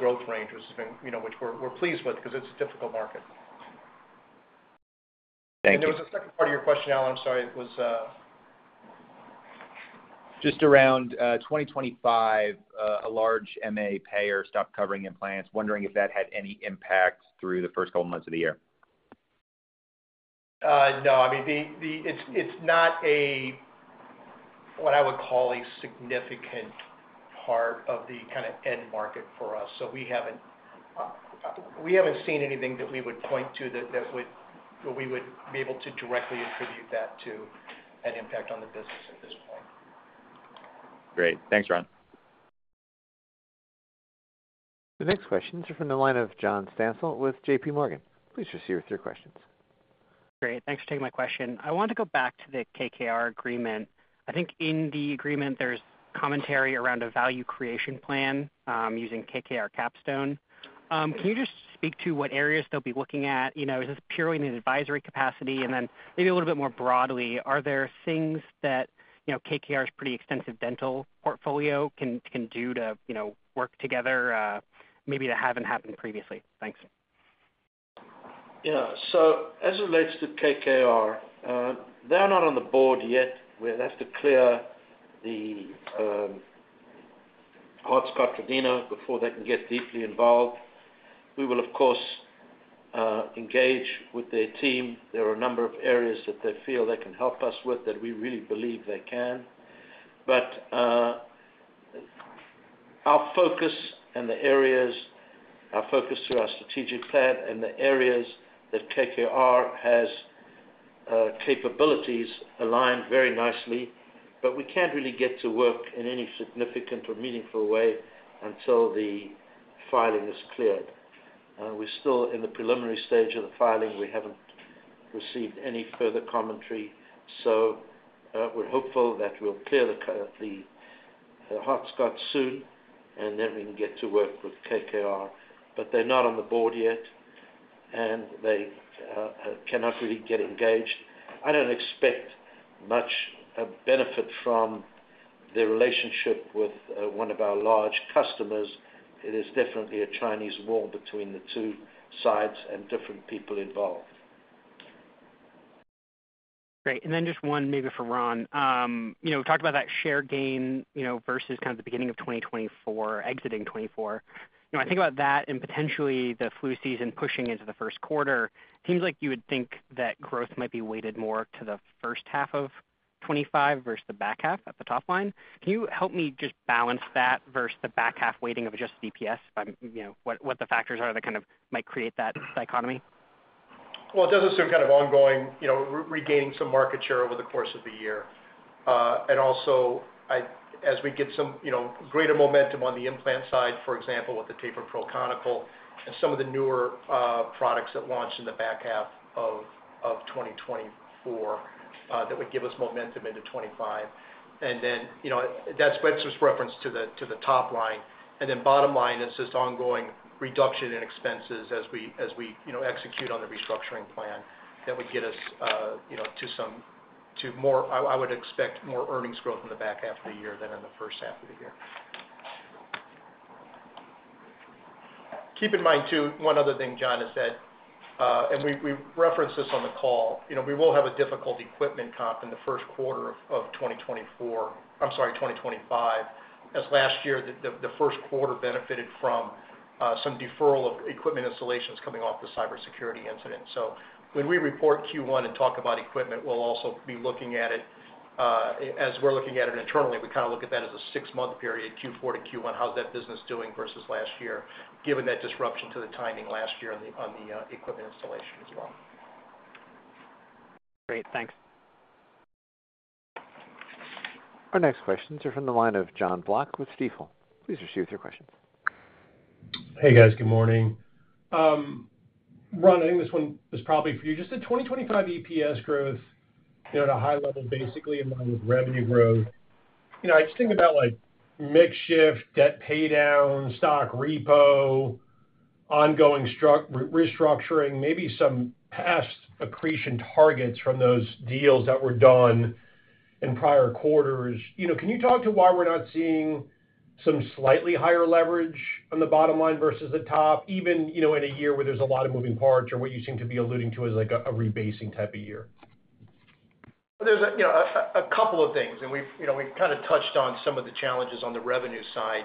growth range, which we're pleased with because it's a difficult market. Thank you. There was a second part of your question, Allen. I'm sorry. It was. Just around 2025, a large MA payer stopped covering implants. Wondering if that had any impact through the first couple of months of the year? No. I mean, it's not what I would call a significant part of the kind of end market for us. So we haven't seen anything that we would point to that we would be able to directly attribute that to an impact on the business at this point. Great. Thanks, Ron. The next questions are from the line of John Stansel with JPMorgan. Please proceed with your questions. Great. Thanks for taking my question. I want to go back to the KKR agreement. I think in the agreement, there's commentary around a value creation plan using KKR Capstone. Can you just speak to what areas they'll be looking at? Is this purely in an advisory capacity? And then maybe a little bit more broadly, are there things that KKR's pretty extensive dental portfolio can do to work together maybe that haven't happened previously? Thanks. Yeah. So as it relates to KKR, they're not on the board yet. We'll have to clear the Hart-Scott-Rodino before they can get deeply involved. We will, of course, engage with their team. There are a number of areas that they feel they can help us with that we really believe they can. But our focus and the areas our focus through our strategic plan and the areas that KKR has capabilities align very nicely, but we can't really get to work in any significant or meaningful way until the filing is cleared. We're still in the preliminary stage of the filing. We haven't received any further commentary. So we're hopeful that we'll clear the Hart-Scott-Rodino soon, and then we can get to work with KKR. But they're not on the board yet, and they cannot really get engaged. I don't expect much benefit from their relationship with one of our large customers. It is definitely a Chinese wall between the two sides and different people involved. Great. And then just one maybe for Ron. We talked about that share gain versus kind of the beginning of 2024, exiting 2024. When I think about that and potentially the flu season pushing into the first quarter, it seems like you would think that growth might be weighted more to the first half of 2025 versus the back half at the top line. Can you help me just balance that versus the back half weighting of just EPS, what the factors are that kind of might create that dichotomy? It does assume kind of ongoing regaining some market share over the course of the year. Also, as we get some greater momentum on the implant side, for example, with the Tapered Pro Conical and some of the newer products that launch in the back half of 2024 that would give us momentum into 2025. That's just reference to the top line. Bottom line is this ongoing reduction in expenses as we execute on the restructuring plan that would get us to, I would expect, more earnings growth in the back half of the year than in the first half of the year. Keep in mind, too, one other thing, John, is that, and we referenced this on the call, we will have a difficult equipment comp in the first quarter of 2024. I'm sorry, 2025, as last year, the first quarter benefited from some deferral of equipment installations coming off the cybersecurity incident, so when we report Q1 and talk about equipment, we'll also be looking at it as we're looking at it internally. We kind of look at that as a six-month period, Q4 to Q1, how's that business doing versus last year, given that disruption to the timing last year on the equipment installation as well. Great. Thanks. Our next questions are from the line of Jon Block with Stifel. Please proceed with your questions. Hey, guys. Good morning. Ron, I think this one is probably for you. Just the 2025 EPS growth at a high level, basically in line with revenue growth. I just think about makeshift debt paydown, stock repo, ongoing restructuring, maybe some past accretion targets from those deals that were done in prior quarters. Can you talk to why we're not seeing some slightly higher leverage on the bottom line versus the top, even in a year where there's a lot of moving parts or what you seem to be alluding to as a rebasing type of year? There's a couple of things, and we've kind of touched on some of the challenges on the revenue side.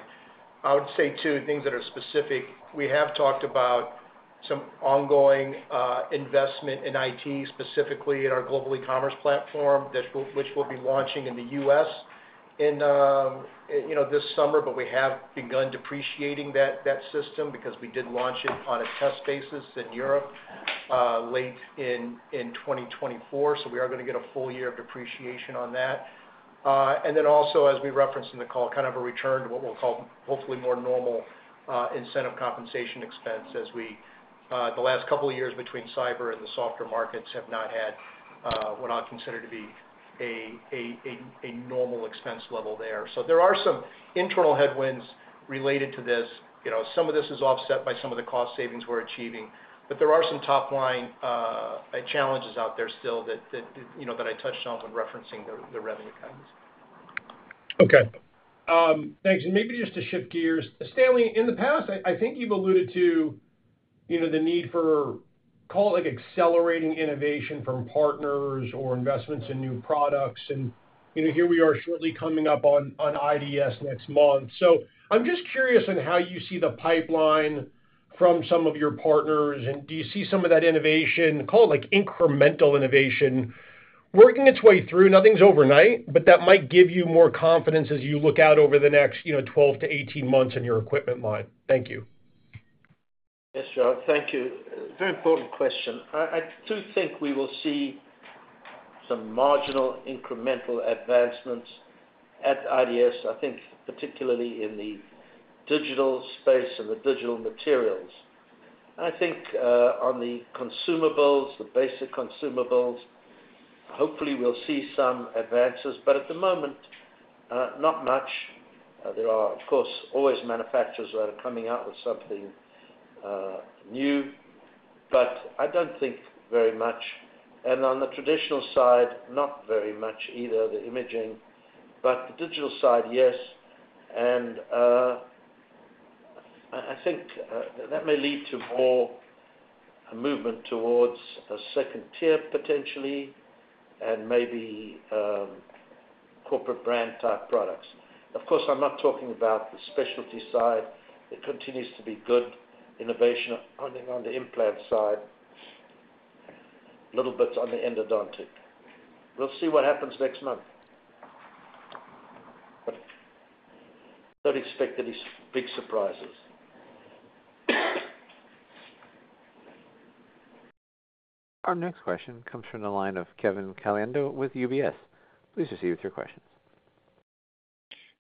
I would say, too, things that are specific. We have talked about some ongoing investment in IT, specifically in our global e-commerce platform, which we'll be launching in the U.S. this summer. But we have begun depreciating that system because we did launch it on a test basis in Europe late in 2024. So we are going to get a full year of depreciation on that. And then also, as we referenced in the call, kind of a return to what we'll call hopefully more normal incentive compensation expense as the last couple of years between cyber and the softer markets have not had what I consider to be a normal expense level there. So there are some internal headwinds related to this. Some of this is offset by some of the cost savings we're achieving. But there are some top-line challenges out there still that I touched on when referencing the revenue kinds. Okay. Thanks. And maybe just to shift gears, Stanley, in the past, I think you've alluded to the need for accelerating innovation from partners or investments in new products. And here we are shortly coming up on IDS next month. So I'm just curious on how you see the pipeline from some of your partners. And do you see some of that innovation, call it incremental innovation, working its way through? Nothing's overnight, but that might give you more confidence as you look out over the next 12 months to 18 months in your equipment line. Thank you. Yes, John. Thank you. Very important question. I do think we will see some marginal incremental advancements at IDS, I think, particularly in the digital space and the digital materials. I think on the consumables, the basic consumables, hopefully we'll see some advances, but at the moment, not much. There are, of course, always manufacturers that are coming out with something new, but I don't think very much, and on the traditional side, not very much either, the imaging, but the digital side, yes, and I think that may lead to more movement towards a second tier, potentially, and maybe corporate brand type products. Of course, I'm not talking about the specialty side. It continues to be good innovation on the implant side, little bits on the endodontic. We'll see what happens next month. Don't expect any big surprises. Our next question comes from the line of Kevin Caliendo with UBS. Please proceed with your questions.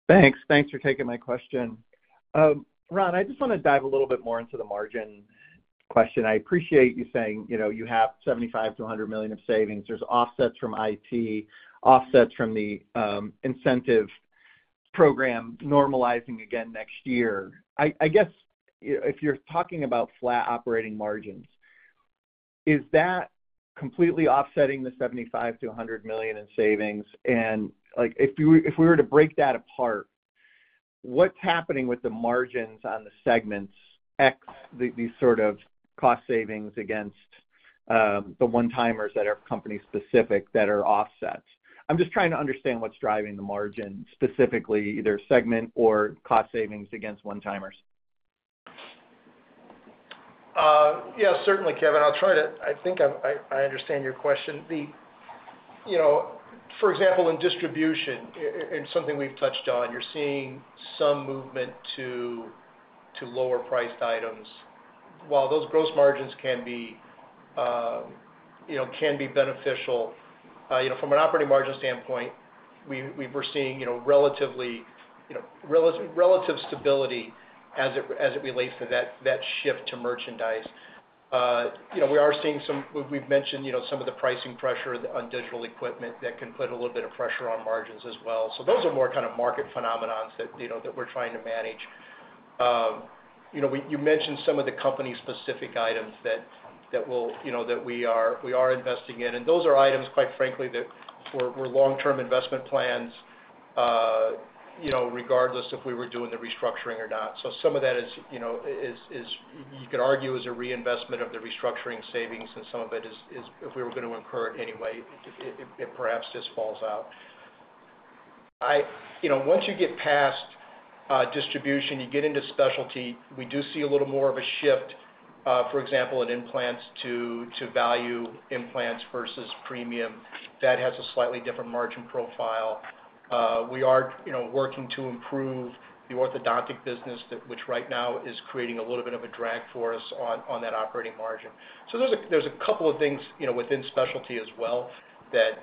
Thanks. Thanks for taking my question. Ron, I just want to dive a little bit more into the margin question. I appreciate you saying you have $75 million-$100 million of savings. There's offsets from IT, offsets from the incentive program normalizing again next year. I guess if you're talking about flat operating margins, is that completely offsetting the $75 million-$100 million in savings? And if we were to break that apart, what's happening with the margins on the segments ex these sort of cost savings against the one-timers that are company-specific that are offsets? I'm just trying to understand what's driving the margin specifically, either segment or cost savings against one-timers. Yeah, certainly, Kevin. I'll try to—I think I understand your question. For example, in distribution, and something we've touched on, you're seeing some movement to lower-priced items. While those gross margins can be beneficial, from an operating margin standpoint, we're seeing relative stability as it relates to that shift to merchandise. We are seeing some—we've mentioned some of the pricing pressure on digital equipment that can put a little bit of pressure on margins as well. So those are more kind of market phenomena that we're trying to manage. You mentioned some of the company-specific items that we are investing in. And those are items, quite frankly, that were long-term investment plans, regardless if we were doing the restructuring or not. Some of that, you could argue, is a reinvestment of the restructuring savings, and some of it is, if we were going to incur it anyway, it perhaps just falls out. Once you get past distribution, you get into specialty, we do see a little more of a shift, for example, in implants to value implants versus premium. That has a slightly different margin profile. We are working to improve the orthodontic business, which right now is creating a little bit of a drag for us on that operating margin. So there's a couple of things within specialty as well that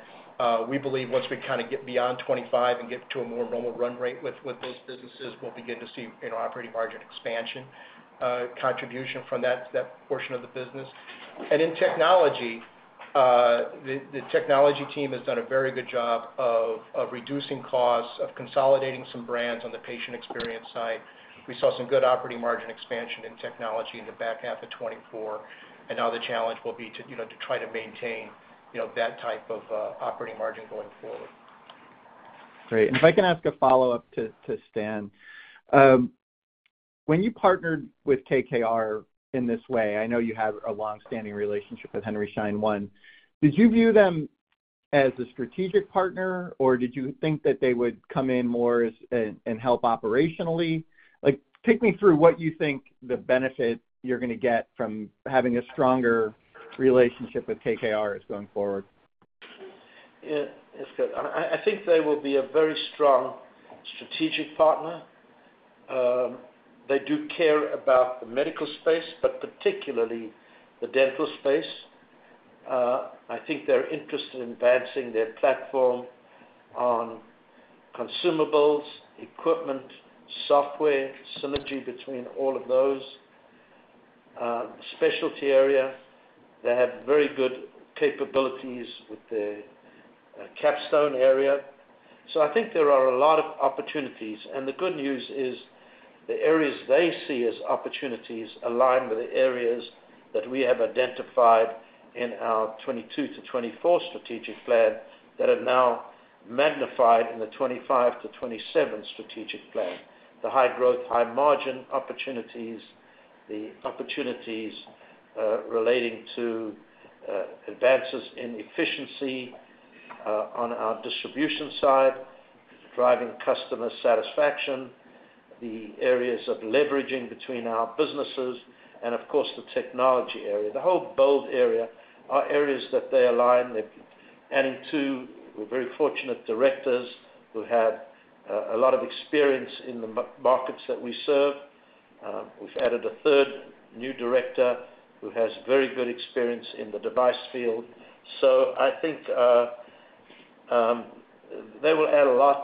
we believe once we kind of get beyond 2025 and get to a more normal run rate with those businesses, we'll begin to see operating margin expansion contribution from that portion of the business. In technology, the technology team has done a very good job of reducing costs, of consolidating some brands on the patient experience side. We saw some good operating margin expansion in technology in the back half of 2024. Now the challenge will be to try to maintain that type of operating margin going forward. Great. And if I can ask a follow-up to Stan, when you partnered with KKR in this way, I know you have a long-standing relationship with Henry Schein One. Did you view them as a strategic partner, or did you think that they would come in more and help operationally? Take me through what you think the benefit you're going to get from having a stronger relationship with KKR is going forward. Yeah. I think they will be a very strong strategic partner. They do care about the medical space, but particularly the dental space. I think they're interested in advancing their platform on consumables, equipment, software, synergy between all of those. Specialty area, they have very good capabilities with their Capstone area. So I think there are a lot of opportunities. And the good news is the areas they see as opportunities align with the areas that we have identified in our 2022-2024 strategic plan that are now magnified in the 2025-2027 strategic plan. The high growth, high margin opportunities, the opportunities relating to advances in efficiency on our distribution side, driving customer satisfaction, the areas of leveraging between our businesses, and of course, the technology area. The whole Bold area are areas that they align. And two, we're very fortunate directors who have a lot of experience in the markets that we serve. We've added a third new director who has very good experience in the device field. So I think they will add a lot.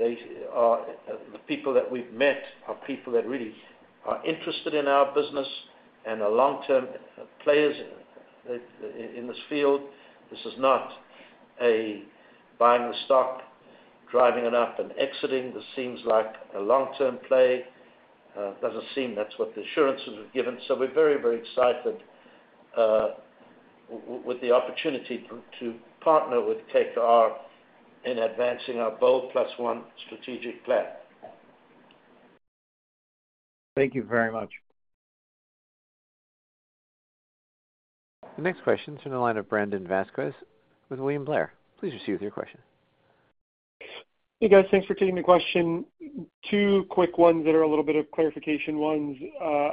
The people that we've met are people that really are interested in our business and are long-term players in this field. This is not a buying the stock, driving it up and exiting. This seems like a long-term play. It doesn't seem that's what the assurances have given. So we're very, very excited with the opportunity to partner with KKR in advancing our Bold+1 strategic plan. Thank you very much. The next question is from the line of Brandon Vazquez with William Blair. Please proceed with your question. Hey, guys. Thanks for taking the question. Two quick ones that are a little bit of clarification ones.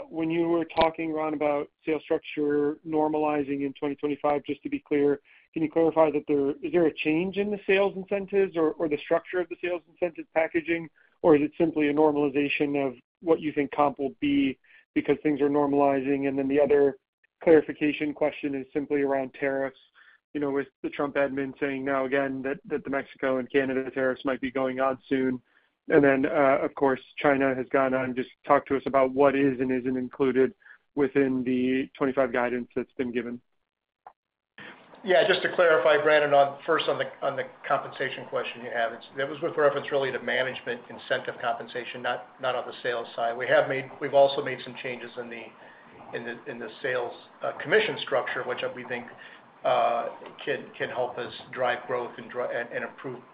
When you were talking, Ron, about sales structure normalizing in 2025, just to be clear, can you clarify that there is a change in the sales incentives or the structure of the sales incentive packaging, or is it simply a normalization of what you think comp will be because things are normalizing? And then the other clarification question is simply around tariffs with the Trump admin saying now again that the Mexico and Canada tariffs might be going on soon. And then, of course, China has gone on to just talk to us about what is and isn't included within the 2025 guidance that's been given. Yeah. Just to clarify, Brandon, first on the compensation question you have, that was with reference really to management incentive compensation, not on the sales side. We've also made some changes in the sales commission structure, which we think can help us drive growth and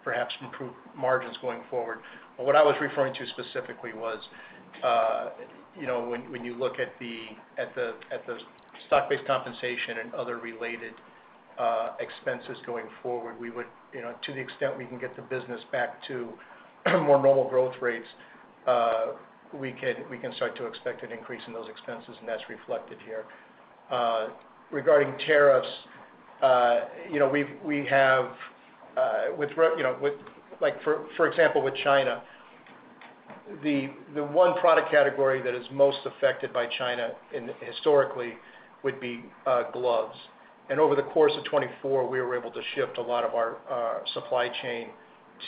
perhaps improve margins going forward. But what I was referring to specifically was when you look at the stock-based compensation and other related expenses going forward, to the extent we can get the business back to more normal growth rates, we can start to expect an increase in those expenses, and that's reflected here. Regarding tariffs, we have, for example, with China, the one product category that is most affected by China historically would be gloves. And over the course of 2024, we were able to shift a lot of our supply chain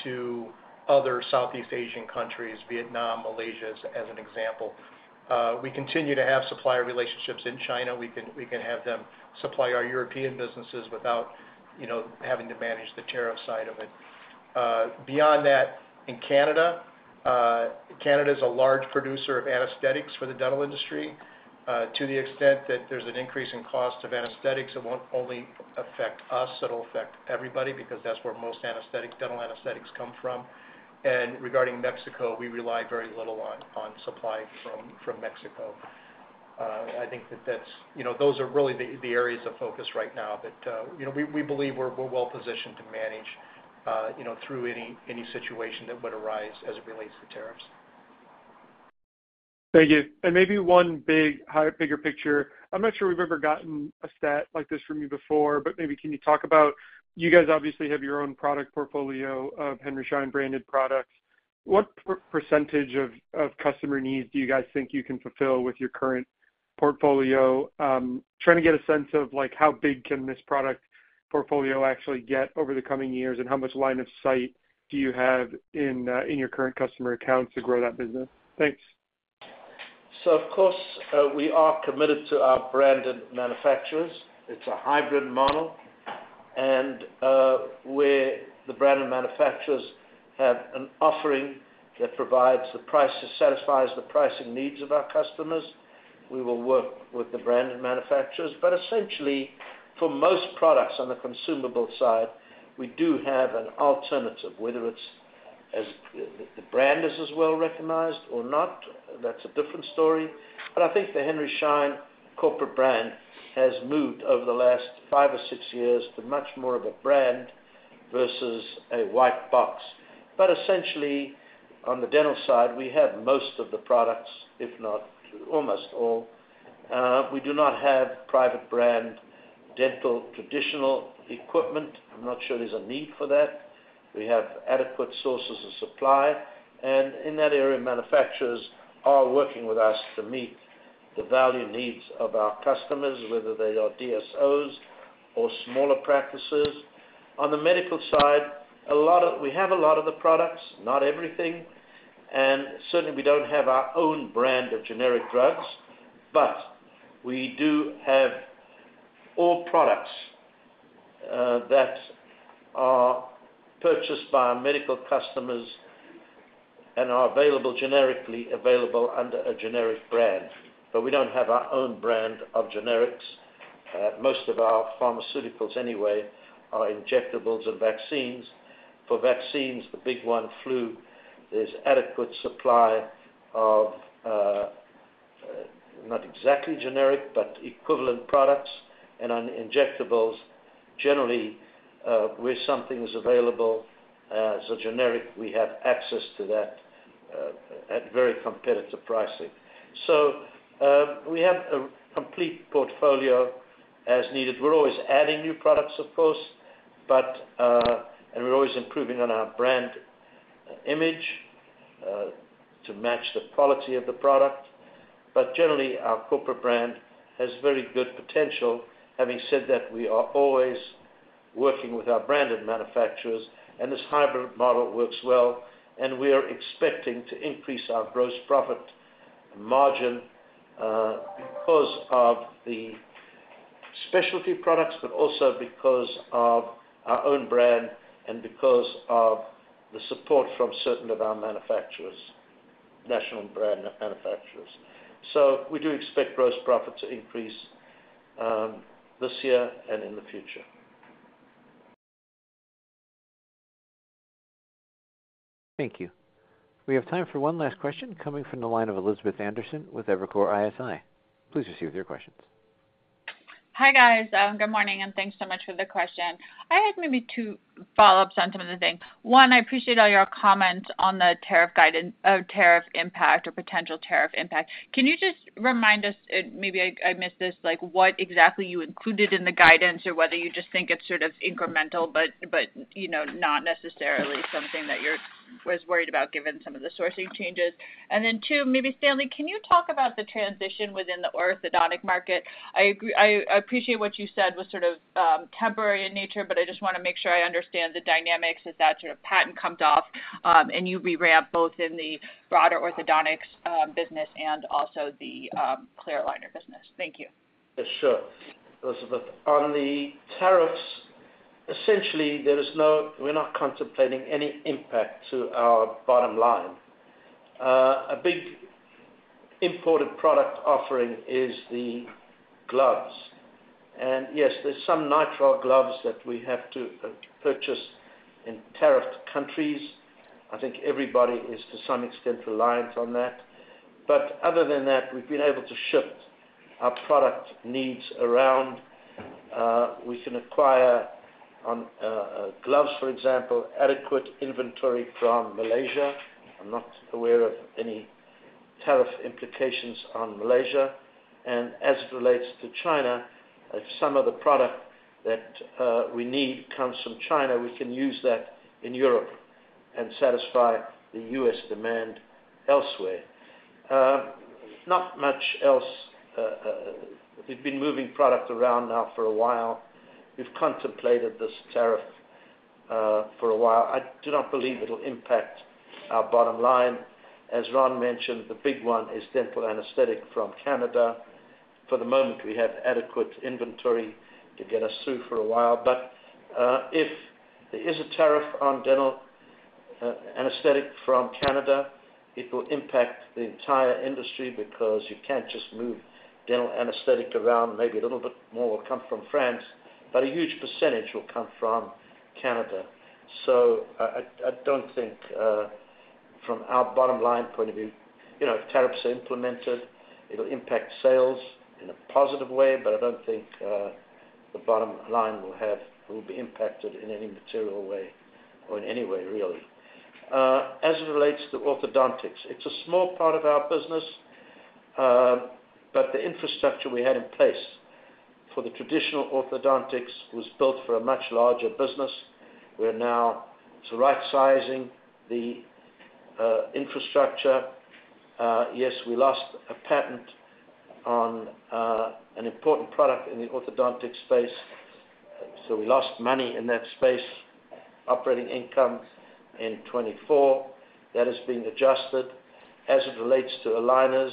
to other Southeast Asian countries, Vietnam, Malaysia as an example. We continue to have supplier relationships in China. We can have them supply our European businesses without having to manage the tariff side of it. Beyond that, in Canada, Canada is a large producer of anesthetics for the dental industry to the extent that there's an increase in cost of anesthetics. It won't only affect us. It'll affect everybody because that's where most dental anesthetics come from. And regarding Mexico, we rely very little on supply from Mexico. I think that those are really the areas of focus right now. But we believe we're well-positioned to manage through any situation that would arise as it relates to tariffs. Thank you. And maybe one bigger picture. I'm not sure we've ever gotten a stat like this from you before, but maybe, can you talk about you guys obviously have your own product portfolio of Henry Schein branded products. What percentage of customer needs do you guys think you can fulfill with your current portfolio? Trying to get a sense of how big can this product portfolio actually get over the coming years and how much line of sight do you have in your current customer accounts to grow that business? Thanks. Of course, we are committed to our branded manufacturers. It's a hybrid model. And the branded manufacturers have an offering that provides the price that satisfies the pricing needs of our customers. We will work with the branded manufacturers. But essentially, for most products on the consumable side, we do have an alternative, whether the brand is as well recognized or not. That's a different story. But I think the Henry Schein corporate brand has moved over the last five or six years to much more of a brand versus a white box. But essentially, on the dental side, we have most of the products, if not almost all. We do not have private brand dental traditional equipment. I'm not sure there's a need for that. We have adequate sources of supply. And in that area, manufacturers are working with us to meet the value needs of our customers, whether they are DSOs or smaller practices. On the medical side, we have a lot of the products, not everything. And certainly, we don't have our own brand of generic drugs, but we do have all products that are purchased by our medical customers and are generically available under a generic brand. But we don't have our own brand of generics. Most of our pharmaceuticals anyway are injectables and vaccines. For vaccines, the big one, flu, there's adequate supply of not exactly generic, but equivalent products. And on injectables, generally, where something is available as a generic, we have access to that at very competitive pricing. So we have a complete portfolio as needed. We're always adding new products, of course, and we're always improving on our brand image to match the quality of the product. But generally, our corporate brand has very good potential. Having said that, we are always working with our branded manufacturers. And this hybrid model works well. And we are expecting to increase our gross profit margin because of the specialty products, but also because of our own brand and because of the support from certain of our national brand manufacturers. So we do expect gross profits to increase this year and in the future. Thank you. We have time for one last question coming from the line of Elizabeth Anderson with Evercore ISI. Please proceed with your questions. Hi, guys. Good morning. And thanks so much for the question. I had maybe two follow-ups on some of the things. One, I appreciate all your comments on the tariff impact or potential tariff impact. Can you just remind us, and maybe I missed this, what exactly you included in the guidance or whether you just think it's sort of incremental, but not necessarily something that you're worried about given some of the sourcing changes? And then two, maybe Stanley, can you talk about the transition within the orthodontic market? I appreciate what you said was sort of temporary in nature, but I just want to make sure I understand the dynamics as that sort of patent comes off and you reramp both in the broader orthodontics business and also the clear aligner business. Thank you. Yes, sure. Elizabeth. On the tariffs, essentially, we're not contemplating any impact to our bottom line. A big imported product offering is the gloves. And yes, there's some nitrile gloves that we have to purchase in tariffed countries. I think everybody is, to some extent, reliant on that. But other than that, we've been able to shift our product needs around. We can acquire, on gloves, for example, adequate inventory from Malaysia. I'm not aware of any tariff implications on Malaysia. And as it relates to China, if some of the product that we need comes from China, we can use that in Europe and satisfy the U.S. demand elsewhere. Not much else. We've been moving product around now for a while. We've contemplated this tariff for a while. I do not believe it'll impact our bottom line. As Ron mentioned, the big one is dental anesthetic from Canada. For the moment, we have adequate inventory to get us through for a while. But if there is a tariff on dental anesthetic from Canada, it will impact the entire industry because you can't just move dental anesthetic around. Maybe a little bit more will come from France, but a huge percentage will come from Canada. So I don't think from our bottom line point of view, if tariffs are implemented, it'll impact sales in a positive way, but I don't think the bottom line will be impacted in any material way or in any way, really. As it relates to orthodontics, it's a small part of our business, but the infrastructure we had in place for the traditional orthodontics was built for a much larger business. We're now right-sizing the infrastructure. Yes, we lost a patent on an important product in the orthodontics space. We lost money in that space, operating income in 2024. That has been adjusted. As it relates to aligners,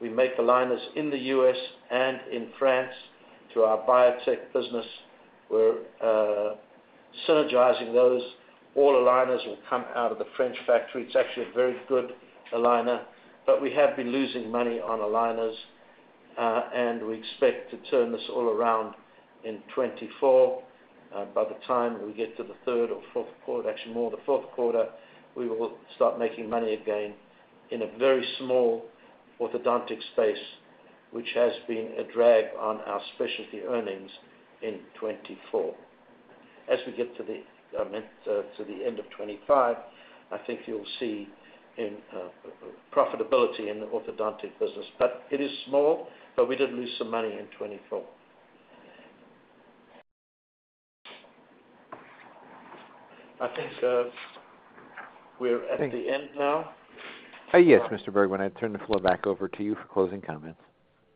we make aligners in the U.S. and in France to our Biotech business. We're synergizing those. All aligners will come out of the French factory. It's actually a very good aligner. But we have been losing money on aligners, and we expect to turn this all around in 2024. By the time we get to the third or fourth quarter, actually more the fourth quarter, we will start making money again in a very small orthodontic space, which has been a drag on our specialty earnings in 2024. As we get to the end of 2025, I think you'll see profitability in the orthodontic business. But it is small, but we did lose some money in 2024. I think we're at the end now. Yes, Mr. Bergman, I turn the floor back over to you for closing comments.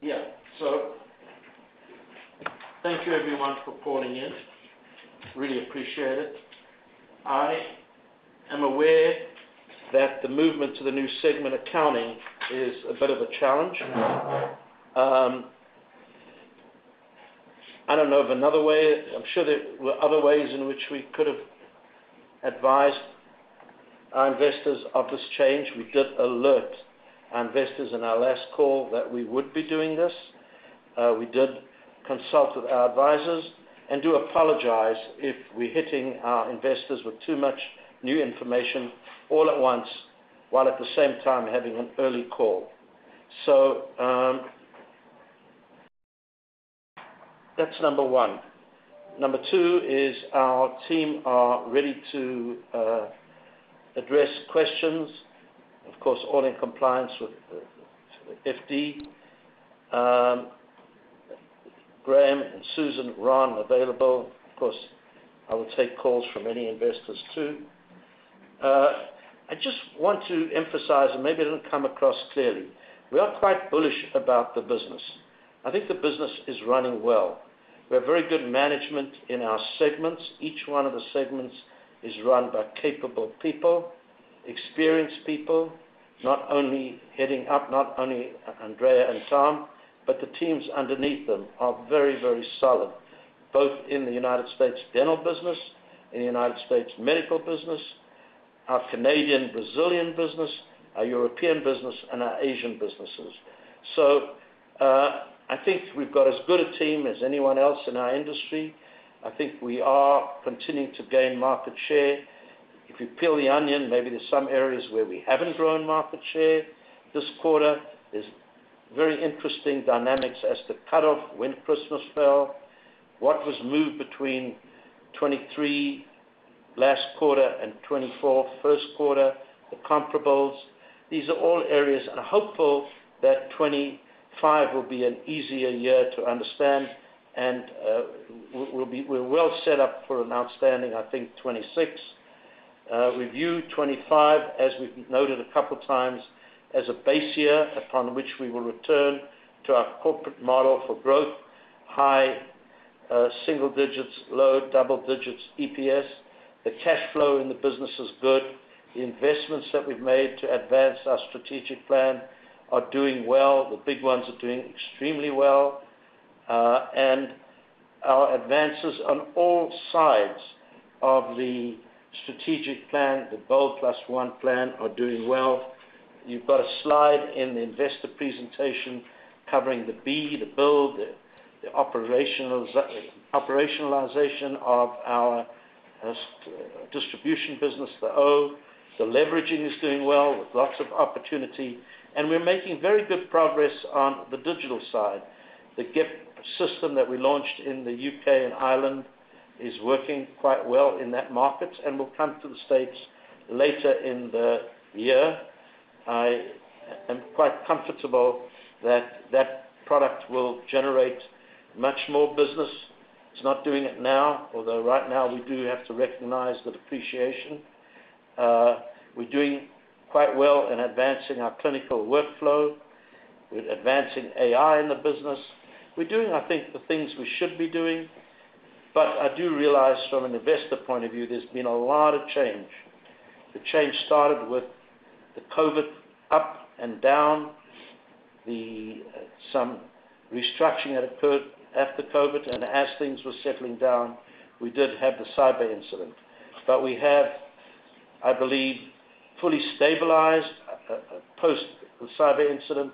Yeah. So thank you, everyone, for calling in. Really appreciate it. I am aware that the movement to the new segment accounting is a bit of a challenge. I don't know of another way. I'm sure there were other ways in which we could have advised our investors of this change. We did alert our investors in our last call that we would be doing this. We did consult with our advisors and do apologize if we're hitting our investors with too much new information all at once while at the same time having an early call. So that's number one. Number two is our team are ready to address questions, of course, all in compliance with FD. Graham, Susan, Ron available. Of course, I will take calls from any investors too. I just want to emphasize, and maybe it didn't come across clearly, we are quite bullish about the business. I think the business is running well. We have very good management in our segments. Each one of the segments is run by capable people, experienced people, not only heading up, not only Andrea and Tom, but the teams underneath them are very, very solid, both in the United States dental business, in the United States medical business, our Canadian-Brazilian business, our European business, and our Asian businesses. So I think we've got as good a team as anyone else in our industry. I think we are continuing to gain market share. If you peel the onion, maybe there's some areas where we haven't grown market share. This quarter is very interesting dynamics as the cutoff when Christmas fell, what was moved between 2023 last quarter and 2024 first quarter, the comparables. These are all areas, and I'm hopeful that 2025 will be an easier year to understand, and we're well set up for an outstanding, I think, 2026 review. 2025, as we've noted a couple of times, as a base year upon which we will return to our corporate model for growth, high single digits, low double digits EPS. The cash flow in the business is good. The investments that we've made to advance our strategic plan are doing well. The big ones are doing extremely well. And our advances on all sides of the strategic plan, the Bold+1 plan, are doing well. You've got a slide in the investor presentation covering the B, the build, the operationalization of our distribution business, the O. The leveraging is doing well with lots of opportunity. And we're making very good progress on the digital side. The GEP system that we launched in the UK and Ireland is working quite well in that market and will come to the States later in the year. I am quite comfortable that that product will generate much more business. It's not doing it now, although right now we do have to recognize the depreciation. We're doing quite well in advancing our clinical workflow. We're advancing AI in the business. We're doing, I think, the things we should be doing. But I do realize from an investor point of view, there's been a lot of change. The change started with the COVID up and down, some restructuring that occurred after COVID. And as things were settling down, we did have the cyber incident. We have, I believe, fully stabilized post-cyber incident.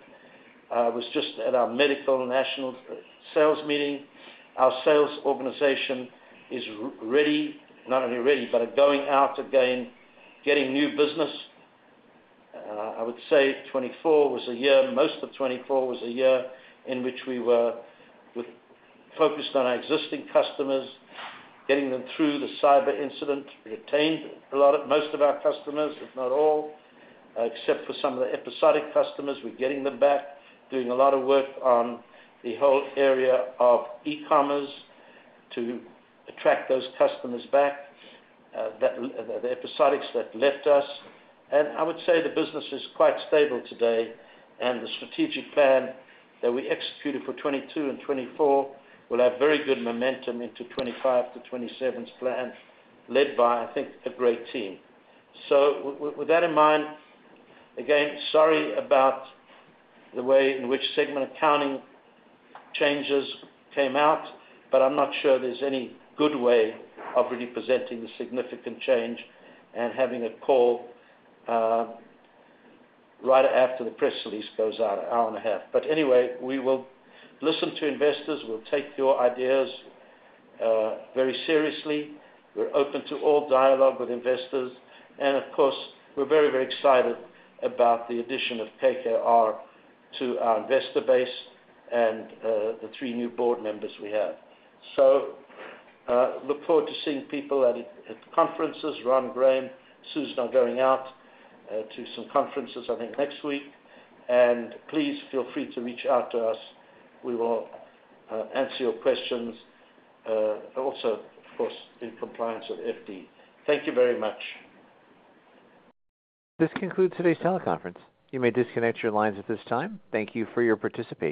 I was just at our medical national sales meeting. Our sales organization is ready, not only ready, but going out again, getting new business. I would say 2024 was a year, most of 2024 was a year in which we were focused on our existing customers, getting them through the cyber incident, retained most of our customers, if not all, except for some of the episodic customers. We're getting them back, doing a lot of work on the whole area of e-commerce to attract those customers back, the episodics that left us. I would say the business is quite stable today. The strategic plan that we executed for 2022 and 2024 will have very good momentum into 2025 to 2027's plan led by, I think, a great team. So with that in mind, again, sorry about the way in which segment accounting changes came out, but I'm not sure there's any good way of really presenting the significant change and having a call right after the press release goes out, an hour and a half. But anyway, we will listen to investors. We'll take your ideas very seriously. We're open to all dialogue with investors. And of course, we're very, very excited about the addition of KKR to our investor base and the three new board members we have. So look forward to seeing people at conferences. Ron, Graham, Susan are going out to some conferences, I think, next week. And please feel free to reach out to us. We will answer your questions, also, of course, in compliance with FD. Thank you very much. This concludes today's teleconference. You may disconnect your lines at this time. Thank you for your participation.